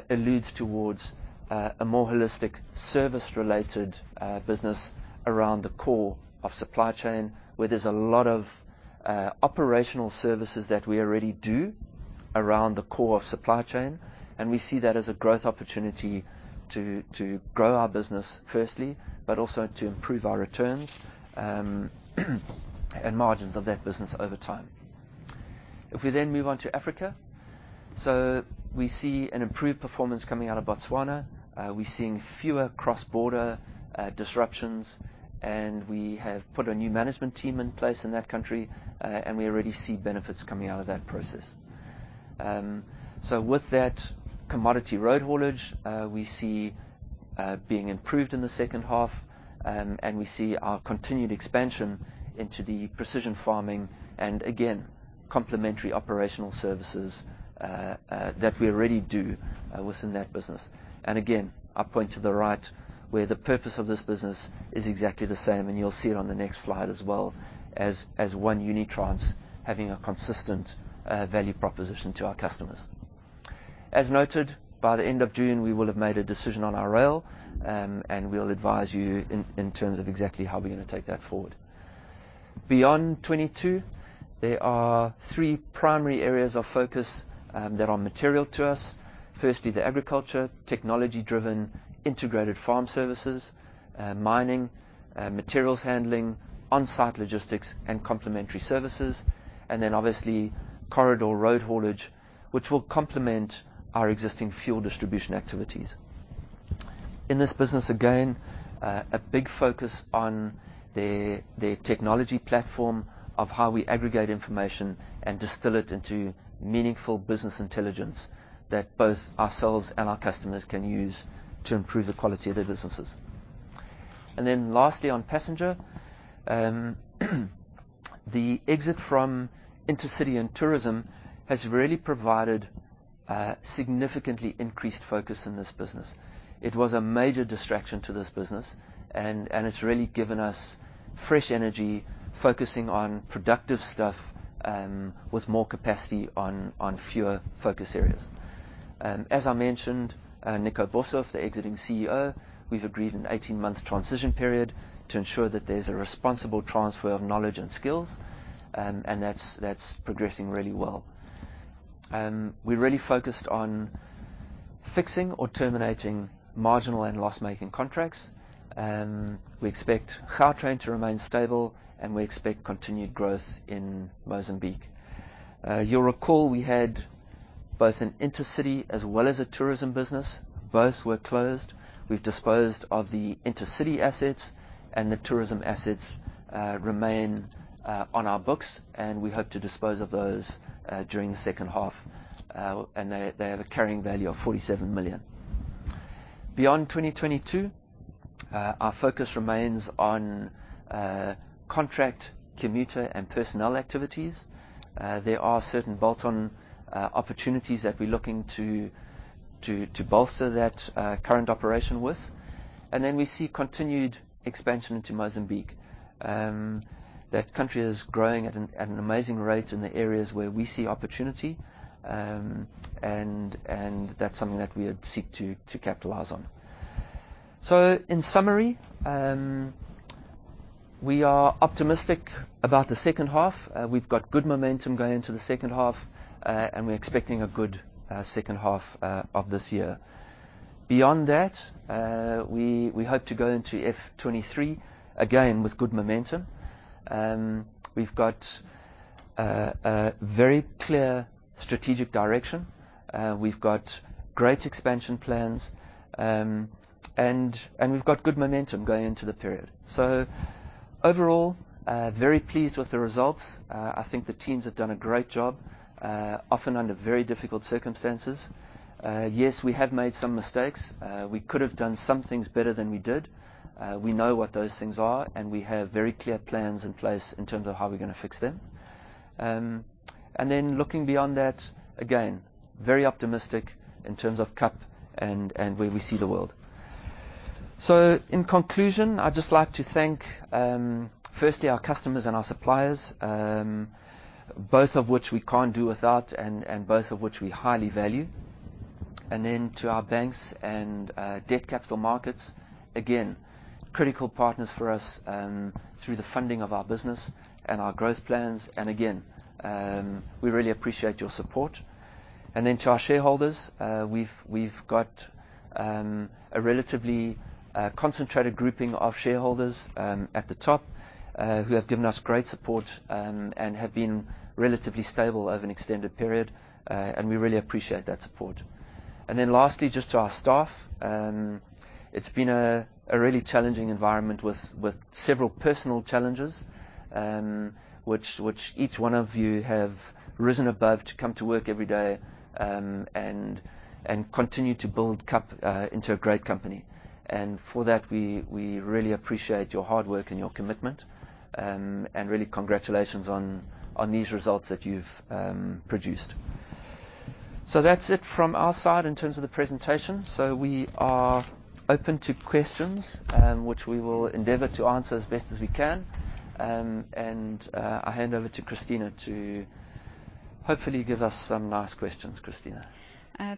alludes towards a more holistic service-related business around the core of supply chain, where there's a lot of operational services that we already do around the core of supply chain, and we see that as a growth opportunity to grow our business firstly, but also to improve our returns and margins of that business over time. If we then move on to Africa, we see an improved performance coming out of Botswana. We're seeing fewer cross-border disruptions, and we have put a new management team in place in that country. We already see benefits coming out of that process. With that commodity road haulage, we see being improved in the second half, and we see our continued expansion into the precision farming and again, complementary operational services, that we already do, within that business. Again, I point to the right where the purpose of this business is exactly the same, and you'll see it on the next slide as well as one Unitrans having a consistent value proposition to our customers. As noted, by the end of June, we will have made a decision on our rail, and we'll advise you in terms of exactly how we're gonna take that forward. Beyond 2022, there are three primary areas of focus that are material to us. Firstly, the agriculture, technology-driven integrated farm services, mining, materials handling, on-site logistics and complementary services, and then obviously corridor road haulage, which will complement our existing fuel distribution activities. In this business, again, a big focus on the technology platform of how we aggregate information and distill it into meaningful business intelligence that both ourselves and our customers can use to improve the quality of their businesses. Lastly, on passenger, the exit from intercity and tourism has really provided significantly increased focus in this business. It was a major distraction to this business and it's really given us fresh energy, focusing on productive stuff, with more capacity on fewer focus areas. As I mentioned, Nico Boshoff, the exiting CEO, we've agreed an 18-month transition period to ensure that there's a responsible transfer of knowledge and skills, and that's progressing really well. We really focused on fixing or terminating marginal and loss-making contracts. We expect Gautrain to remain stable, and we expect continued growth in Mozambique. You'll recall we had both an intercity as well as a tourism business. Both were closed. We've disposed of the intercity assets and the tourism assets remain on our books, and we hope to dispose of those during the second half. They have a carrying value of 47 million. Beyond 2022, our focus remains on contract, commuter, and personnel activities. There are certain bolt-on opportunities that we're looking to bolster that current operation with, and then we see continued expansion into Mozambique. That country is growing at an amazing rate in the areas where we see opportunity, and that's something that we would seek to capitalize on. In summary, we are optimistic about the second half. We've got good momentum going into the second half, and we're expecting a good second half of this year. Beyond that, we hope to go into FY 2023, again with good momentum. We've got a very clear strategic direction. We've got great expansion plans, and we've got good momentum going into the period. Overall, very pleased with the results. I think the teams have done a great job, often under very difficult circumstances. Yes, we have made some mistakes. We could have done some things better than we did. We know what those things are, and we have very clear plans in place in terms of how we're gonna fix them. Then looking beyond that, again, very optimistic in terms of KAP and where we see the world. In conclusion, I'd just like to thank, firstly our customers and our suppliers, both of which we can't do without and both of which we highly value. Then to our banks and Debt Capital Markets, again, critical partners for us, through the funding of our business and our growth plans. Again, we really appreciate your support. To our shareholders, we've got a relatively concentrated grouping of shareholders at the top who have given us great support and have been relatively stable over an extended period, and we really appreciate that support. Lastly, just to our staff, it's been a really challenging environment with several personal challenges which each one of you have risen above to come to work every day and continue to build KAP into a great company. For that, we really appreciate your hard work and your commitment. Really congratulations on these results that you've produced. That's it from our side in terms of the presentation. We are open to questions which we will endeavor to answer as best as we can. I hand over to Christina to hopefully give us some nice questions. Christina.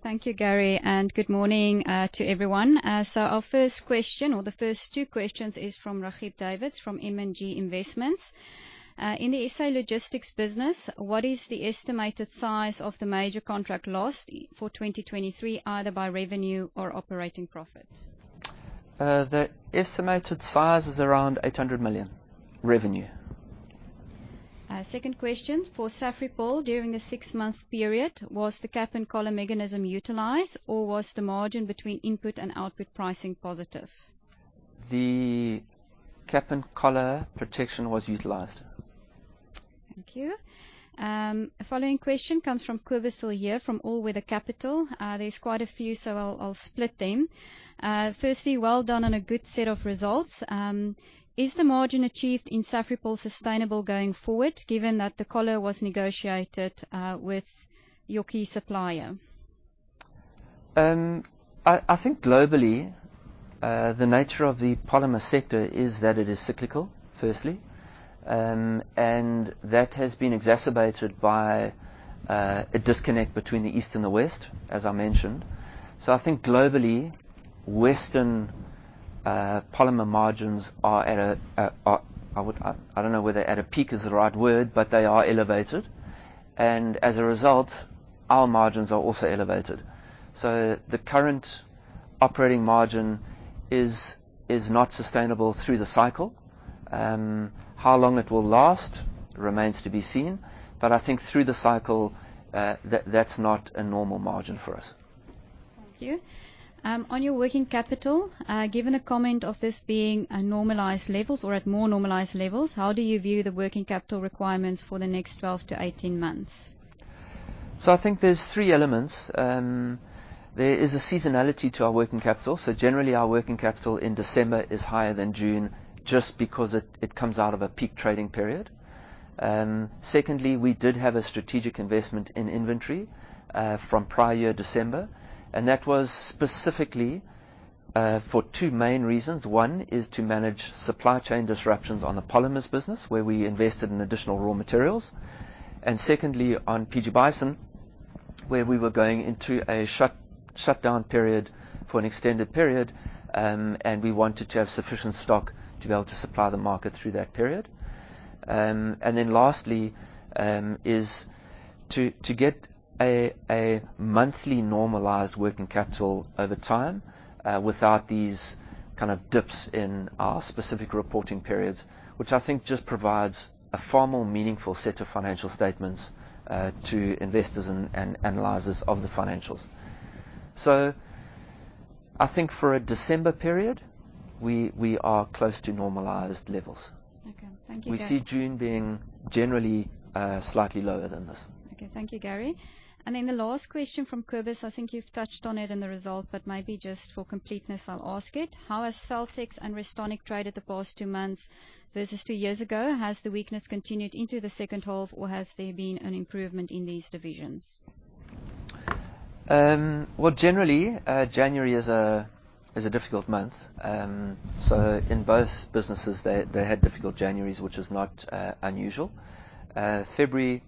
Thank you, Gary, and good morning to everyone. Our first question or the first two questions is from Rahgib Davids, from M&G Investments. In the SA Logistics business, what is the estimated size of the major contract lost for 2023, either by revenue or operating profit? The estimated size is around 800 million revenue. Second question, for Safripol, during the six-month period, was the cap-and-collar mechanism utilized, or was the margin between input and output pricing positive? The cap-and-collar protection was utilized. Thank you. The following question comes from Cobus Cilliers from All Weather Capital. There's quite a few, so I'll split them. Firstly, well done on a good set of results. Is the margin achieved in Safripol sustainable going forward given that the collar was negotiated with your key supplier? I think globally, the nature of the polymer sector is that it is cyclical, firstly. That has been exacerbated by a disconnect between the East and the West, as I mentioned. I think globally, Western polymer margins are at a peak. I don't know whether at a peak is the right word, but they are elevated. As a result, our margins are also elevated. The current operating margin is not sustainable through the cycle. How long it will last remains to be seen, but I think through the cycle, that's not a normal margin for us. Thank you. On your working capital, given a comment of this being at normalized levels or at more normalized levels, how do you view the working capital requirements for the next 12-18 months? I think there's three elements. There is a seasonality to our working capital. Generally, our working capital in December is higher than June just because it comes out of a peak trading period. Secondly, we did have a strategic investment in inventory from prior year December, and that was specifically for two main reasons. One is to manage supply chain disruptions on the polymers business, where we invested in additional raw materials. And secondly, on PG Bison, where we were going into a shut down period for an extended period, and we wanted to have sufficient stock to be able to supply the market through that period. Lastly, is to get a monthly normalized working capital over time, without these kind of dips in our specific reporting periods, which I think just provides a far more meaningful set of financial statements to investors and analysts of the financials. I think for a December period, we are close to normalized levels. Okay. Thank you, Gary. We see June being generally, slightly lower than this. Okay. Thank you, Gary. The last question from Cobus, I think you've touched on it in the result, but maybe just for completeness, I'll ask it. How has Feltex and Restonic traded the past two months versus two years ago? Has the weakness continued into the second half, or has there been an improvement in these divisions? Well, generally, January is a difficult month. In both businesses they had difficult Januarys, which is not unusual. February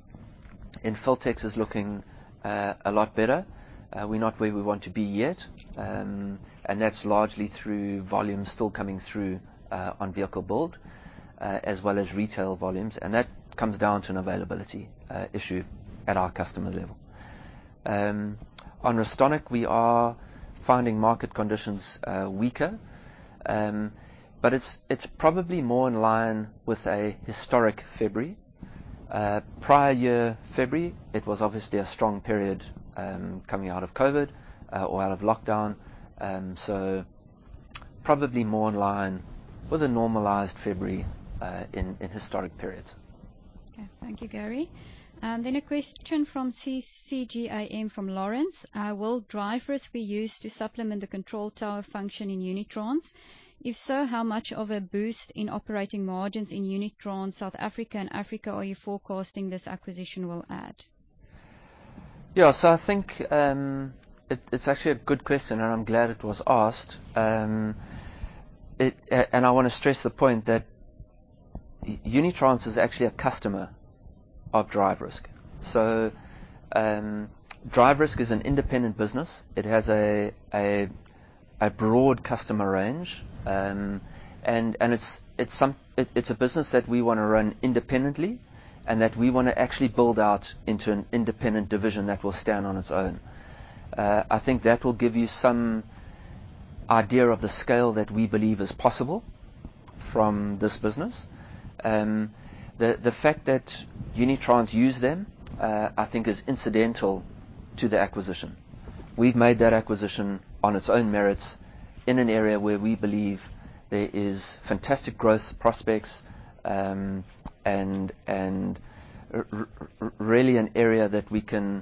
in Feltex is looking a lot better. We're not where we want to be yet, and that's largely through volumes still coming through on vehicle build as well as retail volumes, and that comes down to an availability issue at our customer level. On Restonic, we are finding market conditions weaker, but it's probably more in line with a historic February. Prior year February, it was obviously a strong period coming out of COVID or out of lockdown. Probably more in line with a normalized February in historic periods. Okay. Thank you, Gary. A question from CCGIM from Lawrence. Will DriveRisk be used to supplement the control tower function in Unitrans? If so, how much of a boost in operating margins in Unitrans South Africa and Africa are you forecasting this acquisition will add? Yeah. I think it's actually a good question, and I'm glad it was asked. I wanna stress the point that Unitrans is actually a customer of DriveRisk. DriveRisk is an independent business. It has a broad customer range. It's a business that we wanna run independently and that we wanna actually build out into an independent division that will stand on its own. I think that will give you some idea of the scale that we believe is possible from this business. The fact that Unitrans use them, I think is incidental to the acquisition. We've made that acquisition on its own merits in an area where we believe there is fantastic growth prospects, and really an area that we can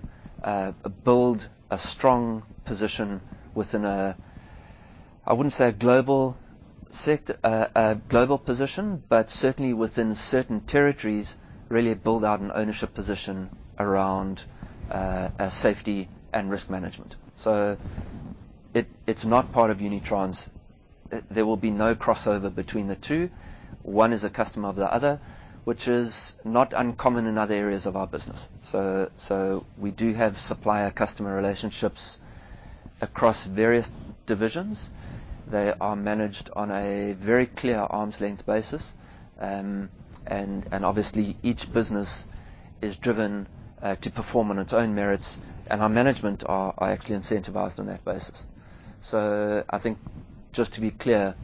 build a strong position within a... I wouldn't say a global position, but certainly within certain territories, really build out an ownership position around safety and risk management. It's not part of Unitrans. There will be no crossover between the two. One is a customer of the other, which is not uncommon in other areas of our business. We do have supplier-customer relationships across various divisions. They are managed on a very clear arm's length basis. And obviously each business is driven to perform on its own merits, and our management are actually incentivized on that basis. I think just to be clear,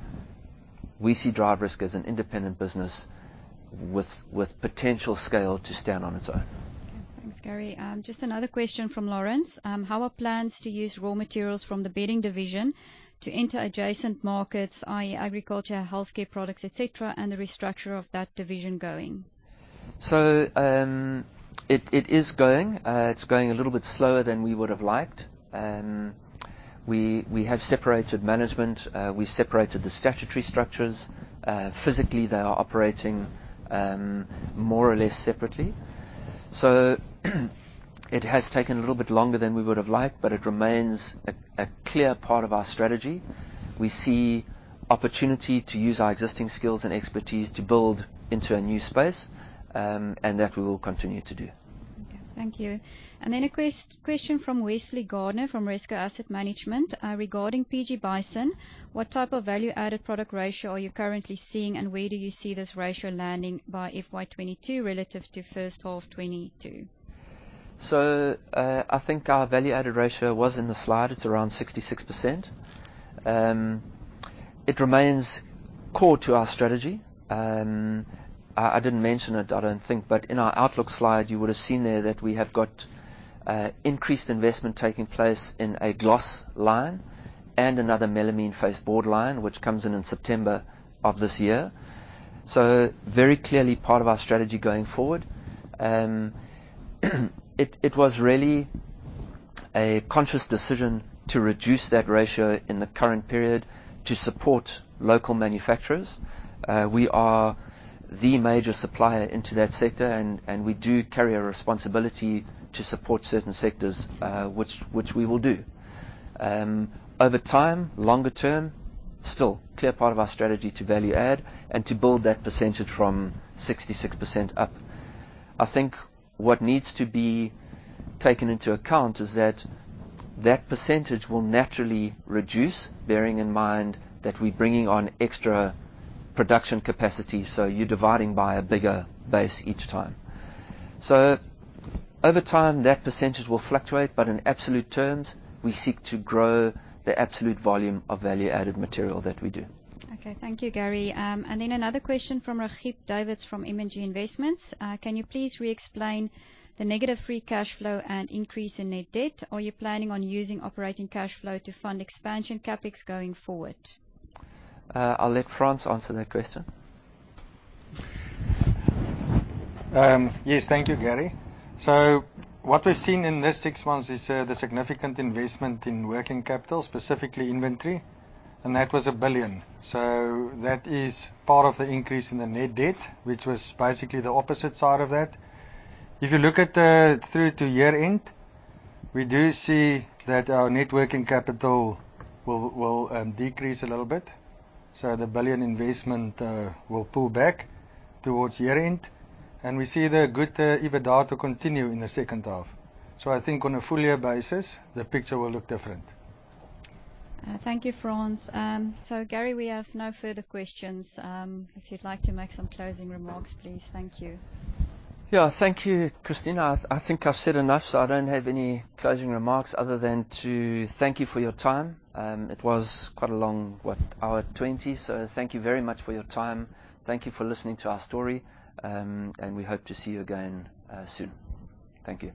we see DriveRisk as an independent business with potential scale to stand on its own. Okay. Thanks, Gary. Just another question from Lawrence. How are plans to use raw materials from the bedding division to enter adjacent markets, i.e., agriculture, healthcare products, et cetera, and the restructure of that division going? It is going. It's going a little bit slower than we would have liked. We have separated management. We separated the statutory structures. Physically they are operating more or less separately. It has taken a little bit longer than we would have liked, but it remains a clear part of our strategy. We see opportunity to use our existing skills and expertise to build into a new space, and that we will continue to do. Okay. Thank you. Then a question from Wesley Gardner from Rezco Asset Management. Regarding PG Bison, what type of value-added product ratio are you currently seeing, and where do you see this ratio landing by FY 2022 relative to first half 2022? I think our value-added ratio was in the slide. It's around 66%. It remains core to our strategy. I didn't mention it, I don't think, but in our outlook slide you would have seen there that we have got increased investment taking place in a gloss line and another melamine faced board line which comes in in September of this year. Very clearly part of our strategy going forward. It was really a conscious decision to reduce that ratio in the current period to support local manufacturers. We are the major supplier into that sector, and we do carry a responsibility to support certain sectors, which we will do. Over time, longer term, still clear part of our strategy to value add and to build that percentage from 66% up. I think what needs to be taken into account is that that percentage will naturally reduce, bearing in mind that we're bringing on extra production capacity, so you're dividing by a bigger base each time. Over time, that percentage will fluctuate, but in absolute terms, we seek to grow the absolute volume of value-added material that we do. Okay. Thank you, Gary. Another question from Raghib Davids from M&G Investments. Can you please re-explain the negative free cash flow and increase in net debt? Are you planning on using operating cash flow to fund expansion CapEx going forward? I'll let Frans answer that question. Yes. Thank you, Gary. What we've seen in this six months is the significant investment in working capital, specifically inventory, and that was 1 billion. That is part of the increase in the net debt, which was basically the opposite side of that. If you look through to year-end, we do see that our net working capital will decrease a little bit. The 1 billion investment will pull back towards year-end, and we see the good EBITDA to continue in the second half. I think on a full year basis, the picture will look different. Thank you, Frans. Gary, we have no further questions. If you'd like to make some closing remarks, please. Thank you. Yeah. Thank you, Christina. I think I've said enough, so I don't have any closing remarks other than to thank you for your time. It was quite a long 1 hour 20, so thank you very much for your time. Thank you for listening to our story. We hope to see you again soon. Thank you.